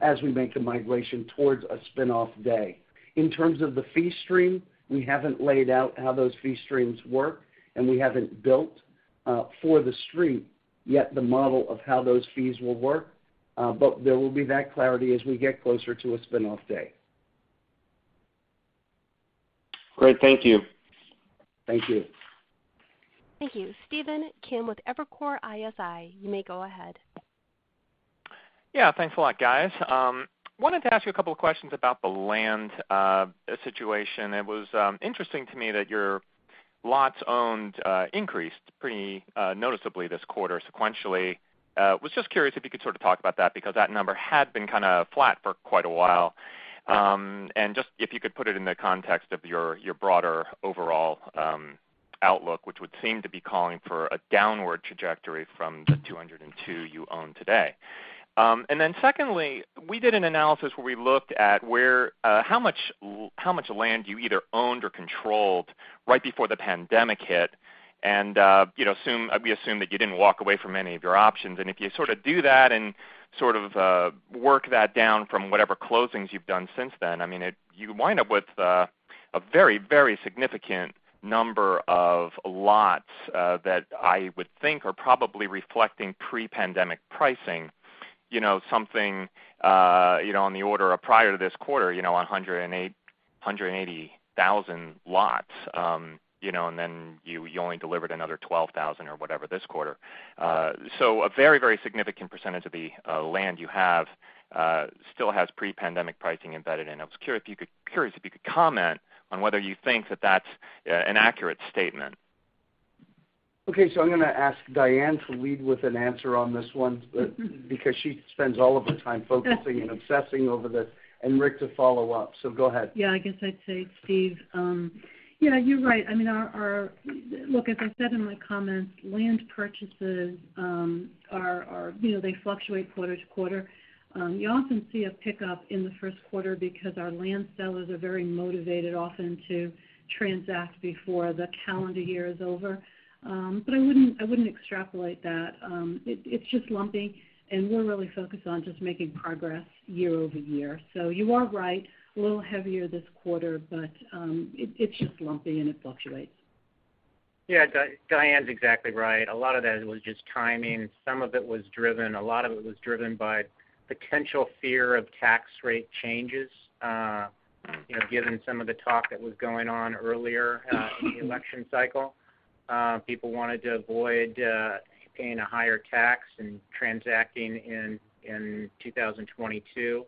as we make the migration towards a spin-off day. In terms of the fee stream, we haven't laid out how those fee streams work, and we haven't built for the stream yet the model of how those fees will work. There will be that clarity as we get closer to a spin-off day. Great. Thank you. Thank you. Thank you. Stephen Kim with Evercore ISI, you may go ahead. Yeah. Thanks a lot, guys. Wanted to ask you a couple of questions about the land situation. It was interesting to me that your lots owned increased pretty noticeably this quarter sequentially. Was just curious if you could sort of talk about that because that number had been kinda flat for quite a while. Just if you could put it in the context of your broader overall outlook, which would seem to be calling for a downward trajectory from the 202 you own today. Then secondly, we did an analysis where we looked at where how much land you either owned or controlled right before the pandemic hit. You know, we assumed that you didn't walk away from any of your options. If you sort of do that and sort of work that down from whatever closings you've done since then, I mean, you wind up with a very significant number of lots that I would think are probably reflecting pre-pandemic pricing, you know, something on the order of prior to this quarter, you know, 180,000 lots, you know, and then you only delivered another 12,000 or whatever this quarter. So a very significant percentage of the land you have still has pre-pandemic pricing embedded in. I was curious if you could comment on whether you think that that's an accurate statement. Okay. I'm gonna ask Diane to lead with an answer on this one because she spends all of her time focusing and obsessing over this, and Rick to follow up. Go ahead. Yeah. I guess I'd say, Steve, yeah, you're right. I mean, look, as I said in my comments, land purchases are, you know, they fluctuate quarter-to-quarter. You often see a pickup in the first quarter because our land sellers are very motivated often to transact before the calendar year is over. I wouldn't extrapolate that. It's just lumpy, and we're really focused on just making progress year-over-year. You are right, a little heavier this quarter, but it's just lumpy and it fluctuates. Yeah. Diane's exactly right. A lot of that was just timing. Some of it was driven, a lot of it was driven by potential fear of tax rate changes, you know, given some of the talk that was going on earlier, in the election cycle. People wanted to avoid paying a higher tax and transacting in 2022.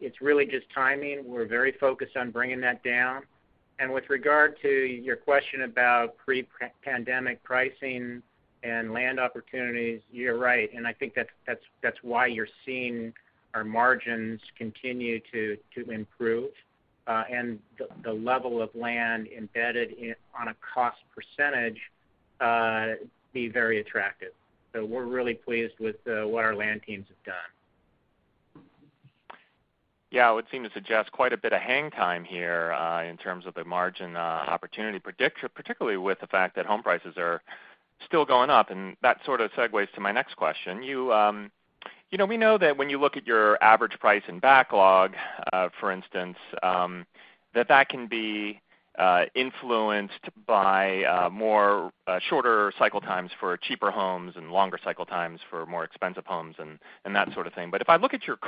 It's really just timing. We're very focused on bringing that down. With regard to your question about pre-pandemic pricing and land opportunities, you're right. I think that's why you're seeing our margins continue to improve, and the level of land embedded in on a cost percentage be very attractive. We're really pleased with what our land teams have done. Yeah. It would seem to suggest quite a bit of hang time here, in terms of the margin opportunity particularly with the fact that home prices are still going up, and that sort of segues to my next question. You know, we know that when you look at your average price in backlog, for instance, that can be influenced by shorter cycle times for cheaper homes and longer cycle times for more expensive homes and that sort of thing. If I look at your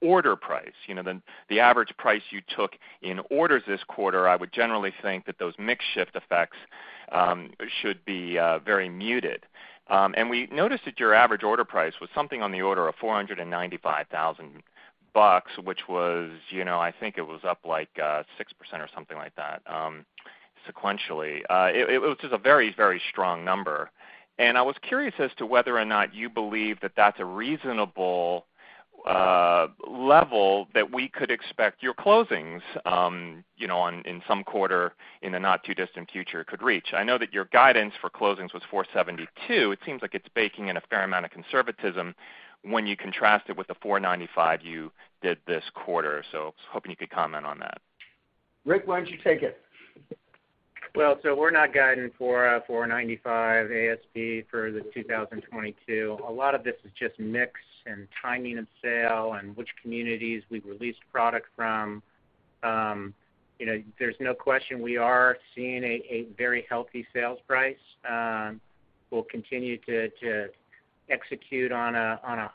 order price, you know, then the average price you took in orders this quarter, I would generally think that those mix shift effects should be very muted. We noticed that your average order price was something on the order of $495,000, which was, you know, I think it was up, like, 6% or something like that, sequentially. It was just a very, very strong number. I was curious as to whether or not you believe that that's a reasonable level that we could expect your closings, you know, on, in some quarter in the not too distant future could reach. I know that your guidance for closings was 472. It seems like it's baking in a fair amount of conservatism when you contrast it with the 495 you did this quarter. I was hoping you could comment on that. Rick, why don't you take it? Well, we're not guiding for a $495 ASP for 2022. A lot of this is just mix and timing of sale and which communities we've released product from. There's no question we are seeing a very healthy sales price. We'll continue to execute on a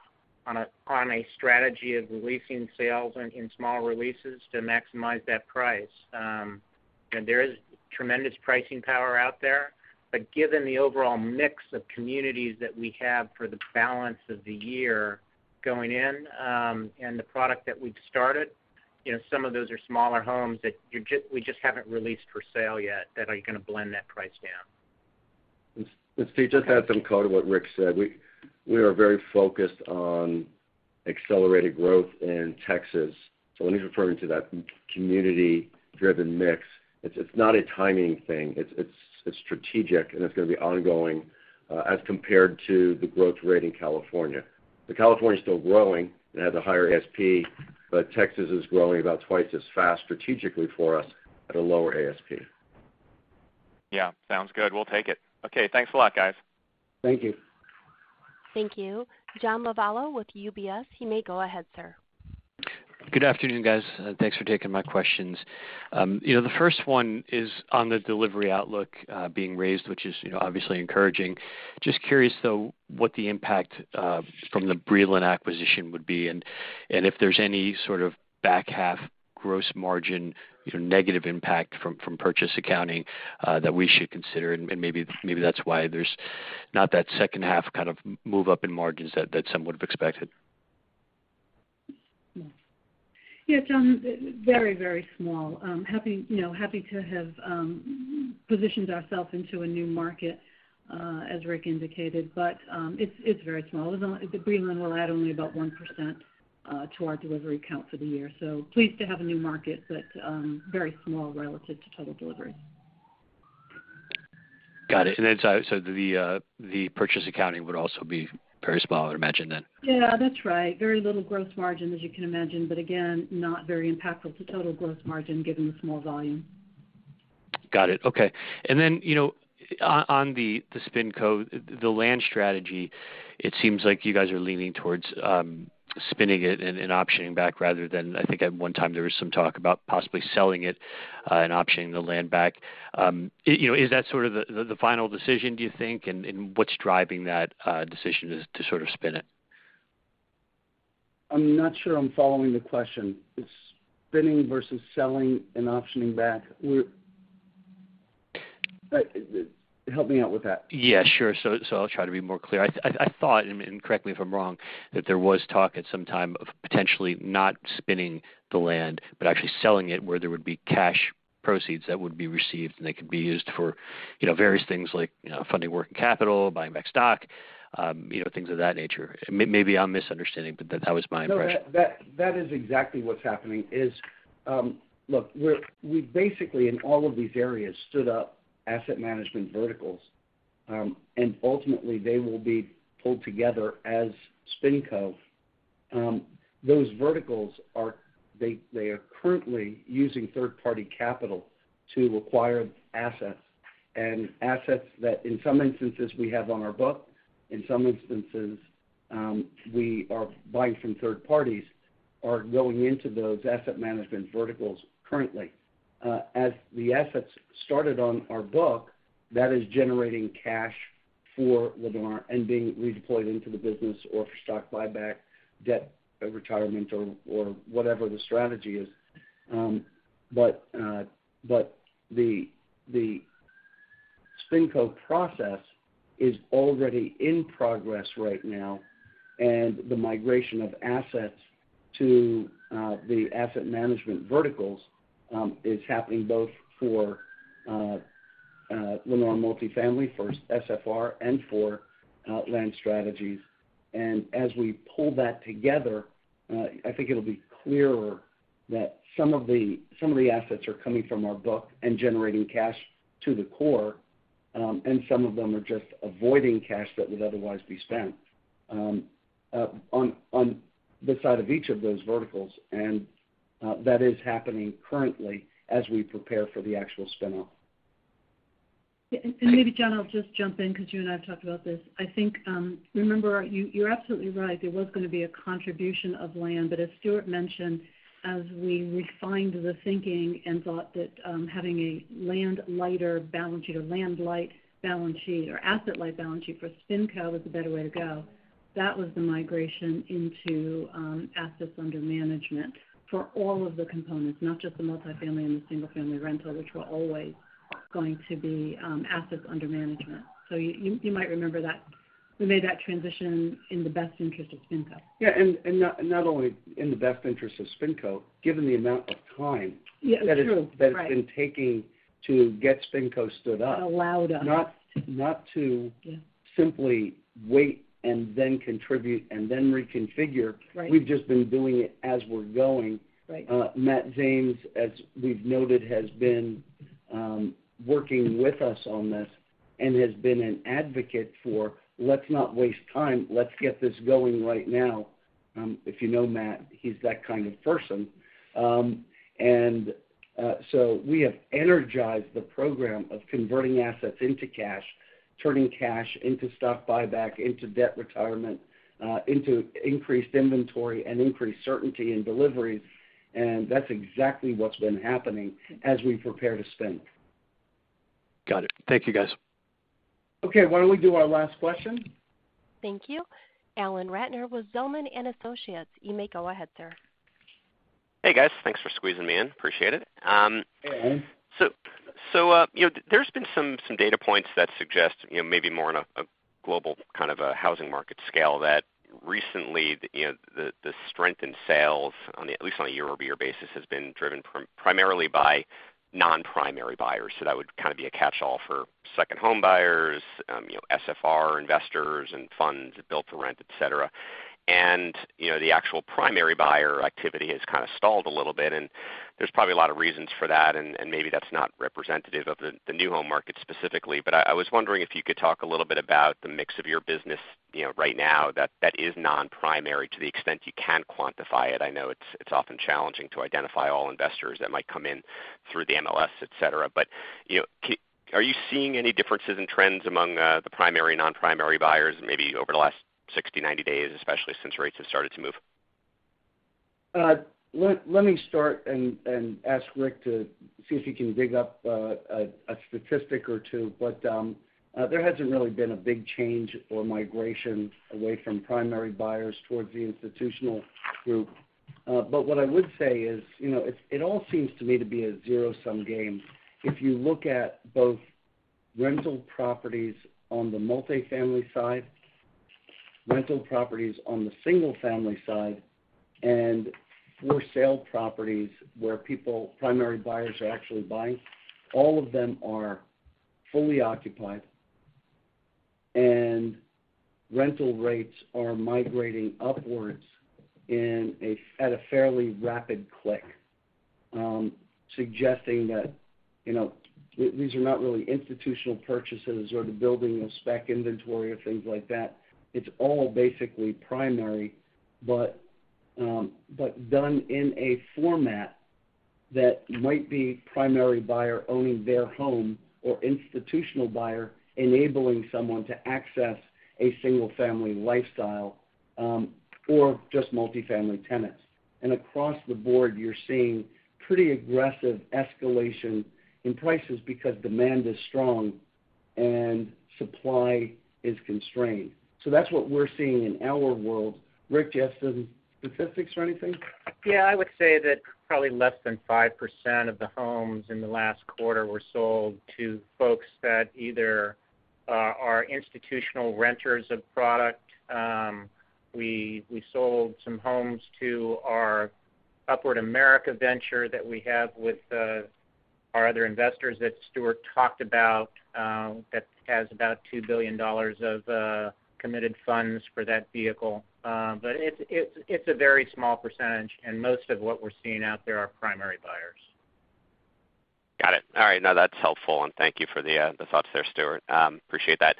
strategy of releasing sales in small releases to maximize that price. There is tremendous pricing power out there. Given the overall mix of communities that we have for the balance of the year going in, and the product that we've started, you know, some of those are smaller homes we just haven't released for sale yet that are gonna blend that price down. Stephen, just to add some color to what Rick said, we are very focused on accelerated growth in Texas. When he's referring to that community-driven mix, it's not a timing thing, it's strategic, and it's gonna be ongoing as compared to the growth rate in California. California is still growing and has a higher ASP, but Texas is growing about twice as fast strategically for us at a lower ASP. Yeah. Sounds good. We'll take it. Okay, thanks a lot, guys. Thank you. Thank you. John Lovallo with UBS. You may go ahead, sir. Good afternoon, guys. Thanks for taking my questions. You know, the first one is on the delivery outlook being raised, which is, you know, obviously encouraging. Just curious though, what the impact from the Breland acquisition would be, and if there's any sort of back half gross margin, you know, negative impact from purchase accounting that we should consider. Maybe that's why there's not that second half kind of move up in margins that some would have expected. Yeah, John, very small. Happy, you know, happy to have positioned ourselves into a new market, as Rick indicated, but it's very small. The Breland will add only about 1% to our delivery count for the year. Pleased to have a new market, but very small relative to total deliveries. Got it. So the purchase accounting would also be very small, I would imagine then. Yeah, that's right. Very little gross margin, as you can imagine, but again, not very impactful to total gross margin given the small volume. Got it. Okay. Then, you know, on the SpinCo, the land strategy, it seems like you guys are leaning towards spinning it and optioning back rather than, I think at one time there was some talk about possibly selling it and optioning the land back. You know, is that sort of the final decision, do you think? What's driving that decision to sort of spin it? I'm not sure I'm following the question. Spinning versus selling and optioning back. Help me out with that. Yeah, sure. I'll try to be more clear. I thought, and correct me if I'm wrong, that there was talk at some time of potentially not spinning the land, but actually selling it, where there would be cash proceeds that would be received, and they could be used for, you know, various things like, you know, funding working capital, buying back stock, you know, things of that nature. Maybe I'm misunderstanding, but that was my impression. No, that is exactly what's happening. Look, we basically, in all of these areas, stood up asset management verticals, and ultimately, they will be pulled together as SpinCo. Those verticals are currently using third-party capital to acquire assets. Assets that, in some instances we have on our books, in some instances, we are buying from third parties, are going into those asset management verticals currently. As the assets started on our books, that is generating cash for Lennar and being redeployed into the business or for stock buyback, debt retirement, or whatever the strategy is. The SpinCo process is already in progress right now, and the migration of assets to the asset management verticals is happening both for Lennar multifamily, for SFR, and for land strategies. As we pull that together, I think it'll be clearer that some of the assets are coming from our book and generating cash to the core, and some of them are just avoiding cash that would otherwise be spent, on the side of each of those verticals. That is happening currently as we prepare for the actual spin-off. Maybe, John, I'll just jump in because you and I have talked about this. I think, remember, you're absolutely right, there was gonna be a contribution of land. As Stuart mentioned, as we refined the thinking and thought that having a land lighter balance sheet, or land light balance sheet, or asset light balance sheet for SpinCo was a better way to go, that was the migration into assets under management for all of the components, not just the multifamily and the single-family rental, which were always going to be assets under management. You might remember that we made that transition in the best interest of SpinCo. Yeah. Not only in the best interest of SpinCo, given the amount of time- Yeah, true. Right.... that it's been taking to get SpinCo stood up. Allowed us. Not, not to- Yeah. Simply wait and then contribute and then reconfigure. Right. We've just been doing it as we're going. Right. Matt Zames, as we've noted, has been working with us on this and has been an advocate for, "Let's not waste time. Let's get this going right now." If you know Matt, he's that kind of person. We have energized the program of converting assets into cash, turning cash into stock buyback, into debt retirement, into increased inventory and increased certainty in deliveries, and that's exactly what's been happening as we prepare to spend. Got it. Thank you, guys. Okay, why don't we do our last question? Thank you. Alan Ratner with Zelman & Associates. You may go ahead, sir. Hey, guys. Thanks for squeezing me in. Appreciate it. Hey, Alan. You know, there's been some data points that suggest, you know, maybe more on a global kind of a housing market scale that recently, you know, the strength in sales, at least on a year-over-year basis, has been driven primarily by non-primary buyers. That would kind of be a catch-all for second home buyers, you know, SFR investors and funds built to rent, et cetera. You know, the actual primary buyer activity has kind of stalled a little bit, and there's probably a lot of reasons for that, and maybe that's not representative of the new home market specifically. I was wondering if you could talk a little bit about the mix of your business, you know, right now that is non-primary to the extent you can quantify it. I know it's often challenging to identify all investors that might come in through the MLS, et cetera. You know, are you seeing any differences in trends among the primary, non-primary buyers, maybe over the last 60, 90 days, especially since rates have started to move? Let me start and ask Rick to see if he can dig up a statistic or two. There hasn't really been a big change or migration away from primary buyers towards the institutional group. What I would say is, you know, it all seems to me to be a zero-sum game. If you look at both rental properties on the multifamily side, rental properties on the single family side, and for sale properties where people, primary buyers are actually buying, all of them are fully occupied, and rental rates are migrating upwards at a fairly rapid clip, suggesting that, you know, these are not really institutional purchases or the building of spec inventory or things like that. It's all basically primary, but done in a format that might be primary buyer owning their home or institutional buyer enabling someone to access a single-family lifestyle, or just multifamily tenants. Across the board, you're seeing pretty aggressive escalation in prices because demand is strong and supply is constrained. That's what we're seeing in our world. Rick, do you have some statistics or anything? Yeah. I would say that probably less than 5% of the homes in the last quarter were sold to folks that either are institutional renters of product. We sold some homes to our Upward America Venture that we have with our other investors that Stuart talked about that has about $2 billion of committed funds for that vehicle. It's a very small percentage, and most of what we're seeing out there are primary buyers. Got it. All right. No, that's helpful. Thank you for the thoughts there, Stuart. Appreciate that.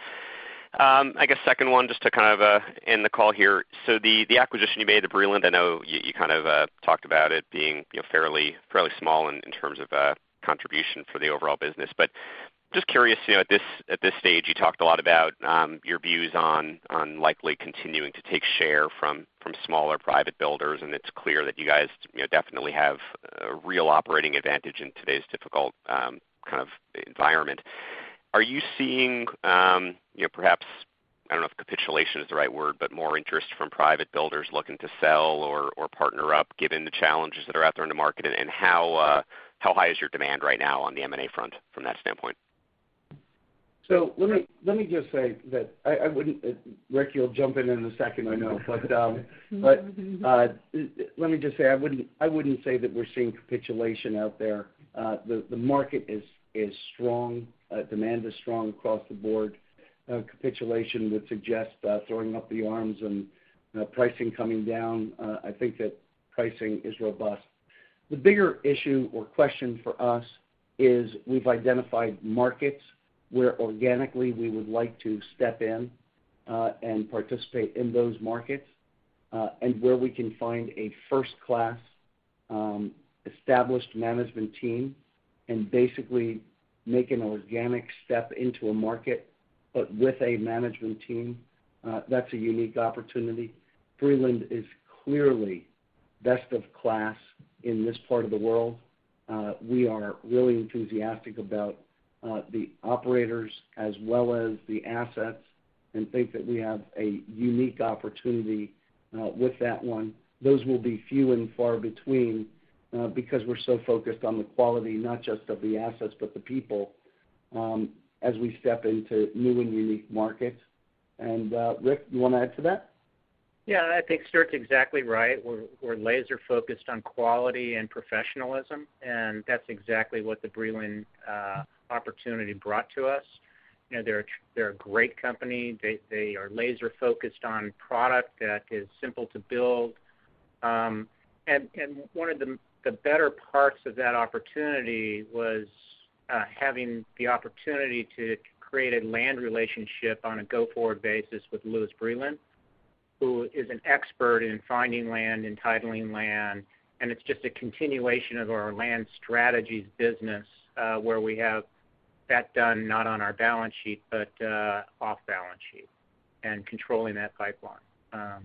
I guess second one, just to kind of end the call here. The acquisition you made at Breland, I know you kind of talked about it being, you know, fairly small in terms of a contribution for the overall business. Just curious, you know, at this stage, you talked a lot about your views on likely continuing to take share from smaller private builders, and it's clear that you guys, you know, definitely have a real operating advantage in today's difficult kind of environment. Are you seeing, you know, perhaps, I don't know if capitulation is the right word, but more interest from private builders looking to sell or partner up given the challenges that are out there in the market? How high is your demand right now on the M&A front from that standpoint? Let me just say that I wouldn't. Rick, you'll jump in in a second, I know. Let me just say, I wouldn't say that we're seeing capitulation out there. The market is strong. Demand is strong across the board. Capitulation would suggest throwing up the arms and pricing coming down. I think that pricing is robust. The bigger issue or question for us is we've identified markets where organically we would like to step in and participate in those markets and where we can find a first-class established management team and basically make an organic step into a market, but with a management team that's a unique opportunity. Breland is clearly best of class in this part of the world. We are really enthusiastic about the operators as well as the assets and think that we have a unique opportunity with that one. Those will be few and far between because we're so focused on the quality, not just of the assets, but the people, as we step into new and unique markets. Rick, you wanna add to that? Yeah. I think Stuart's exactly right. We're laser-focused on quality and professionalism, and that's exactly what the Breland opportunity brought to us. You know, they're a great company. They are laser-focused on product that is simple to build. One of the better parts of that opportunity was having the opportunity to create a land relationship on a go-forward basis with Louis Breland, who is an expert in finding land and titling land, and it's just a continuation of our land strategies business, where we have that done not on our balance sheet, but off balance sheet and controlling that pipeline.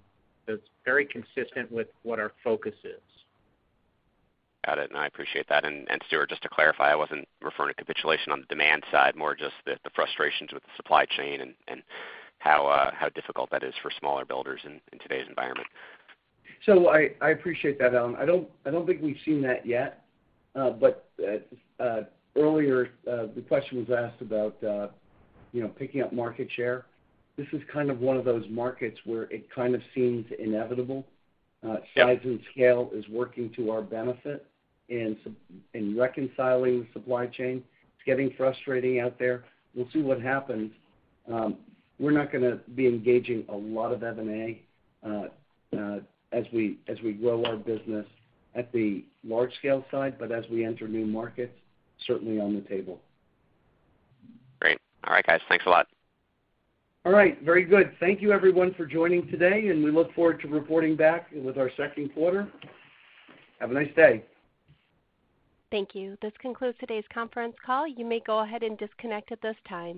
It's very consistent with what our focus is. Got it, and I appreciate that. Stuart, just to clarify, I wasn't referring to capitulation on the demand side, more just the frustrations with the supply chain and how difficult that is for smaller builders in today's environment. I appreciate that, Alan. I don't think we've seen that yet. Earlier, the question was asked about, you know, picking up market share. This is kind of one of those markets where it kind of seems inevitable. Yeah. Size and scale is working to our benefit in reconciling the supply chain. It's getting frustrating out there. We'll see what happens. We're not gonna be engaging a lot of M&A, as we grow our business at the large scale side, but as we enter new markets, certainly on the table. Great. All right, guys. Thanks a lot. All right. Very good. Thank you everyone for joining today, and we look forward to reporting back with our second quarter. Have a nice day. Thank you. This concludes today's conference call. You may go ahead and disconnect at this time.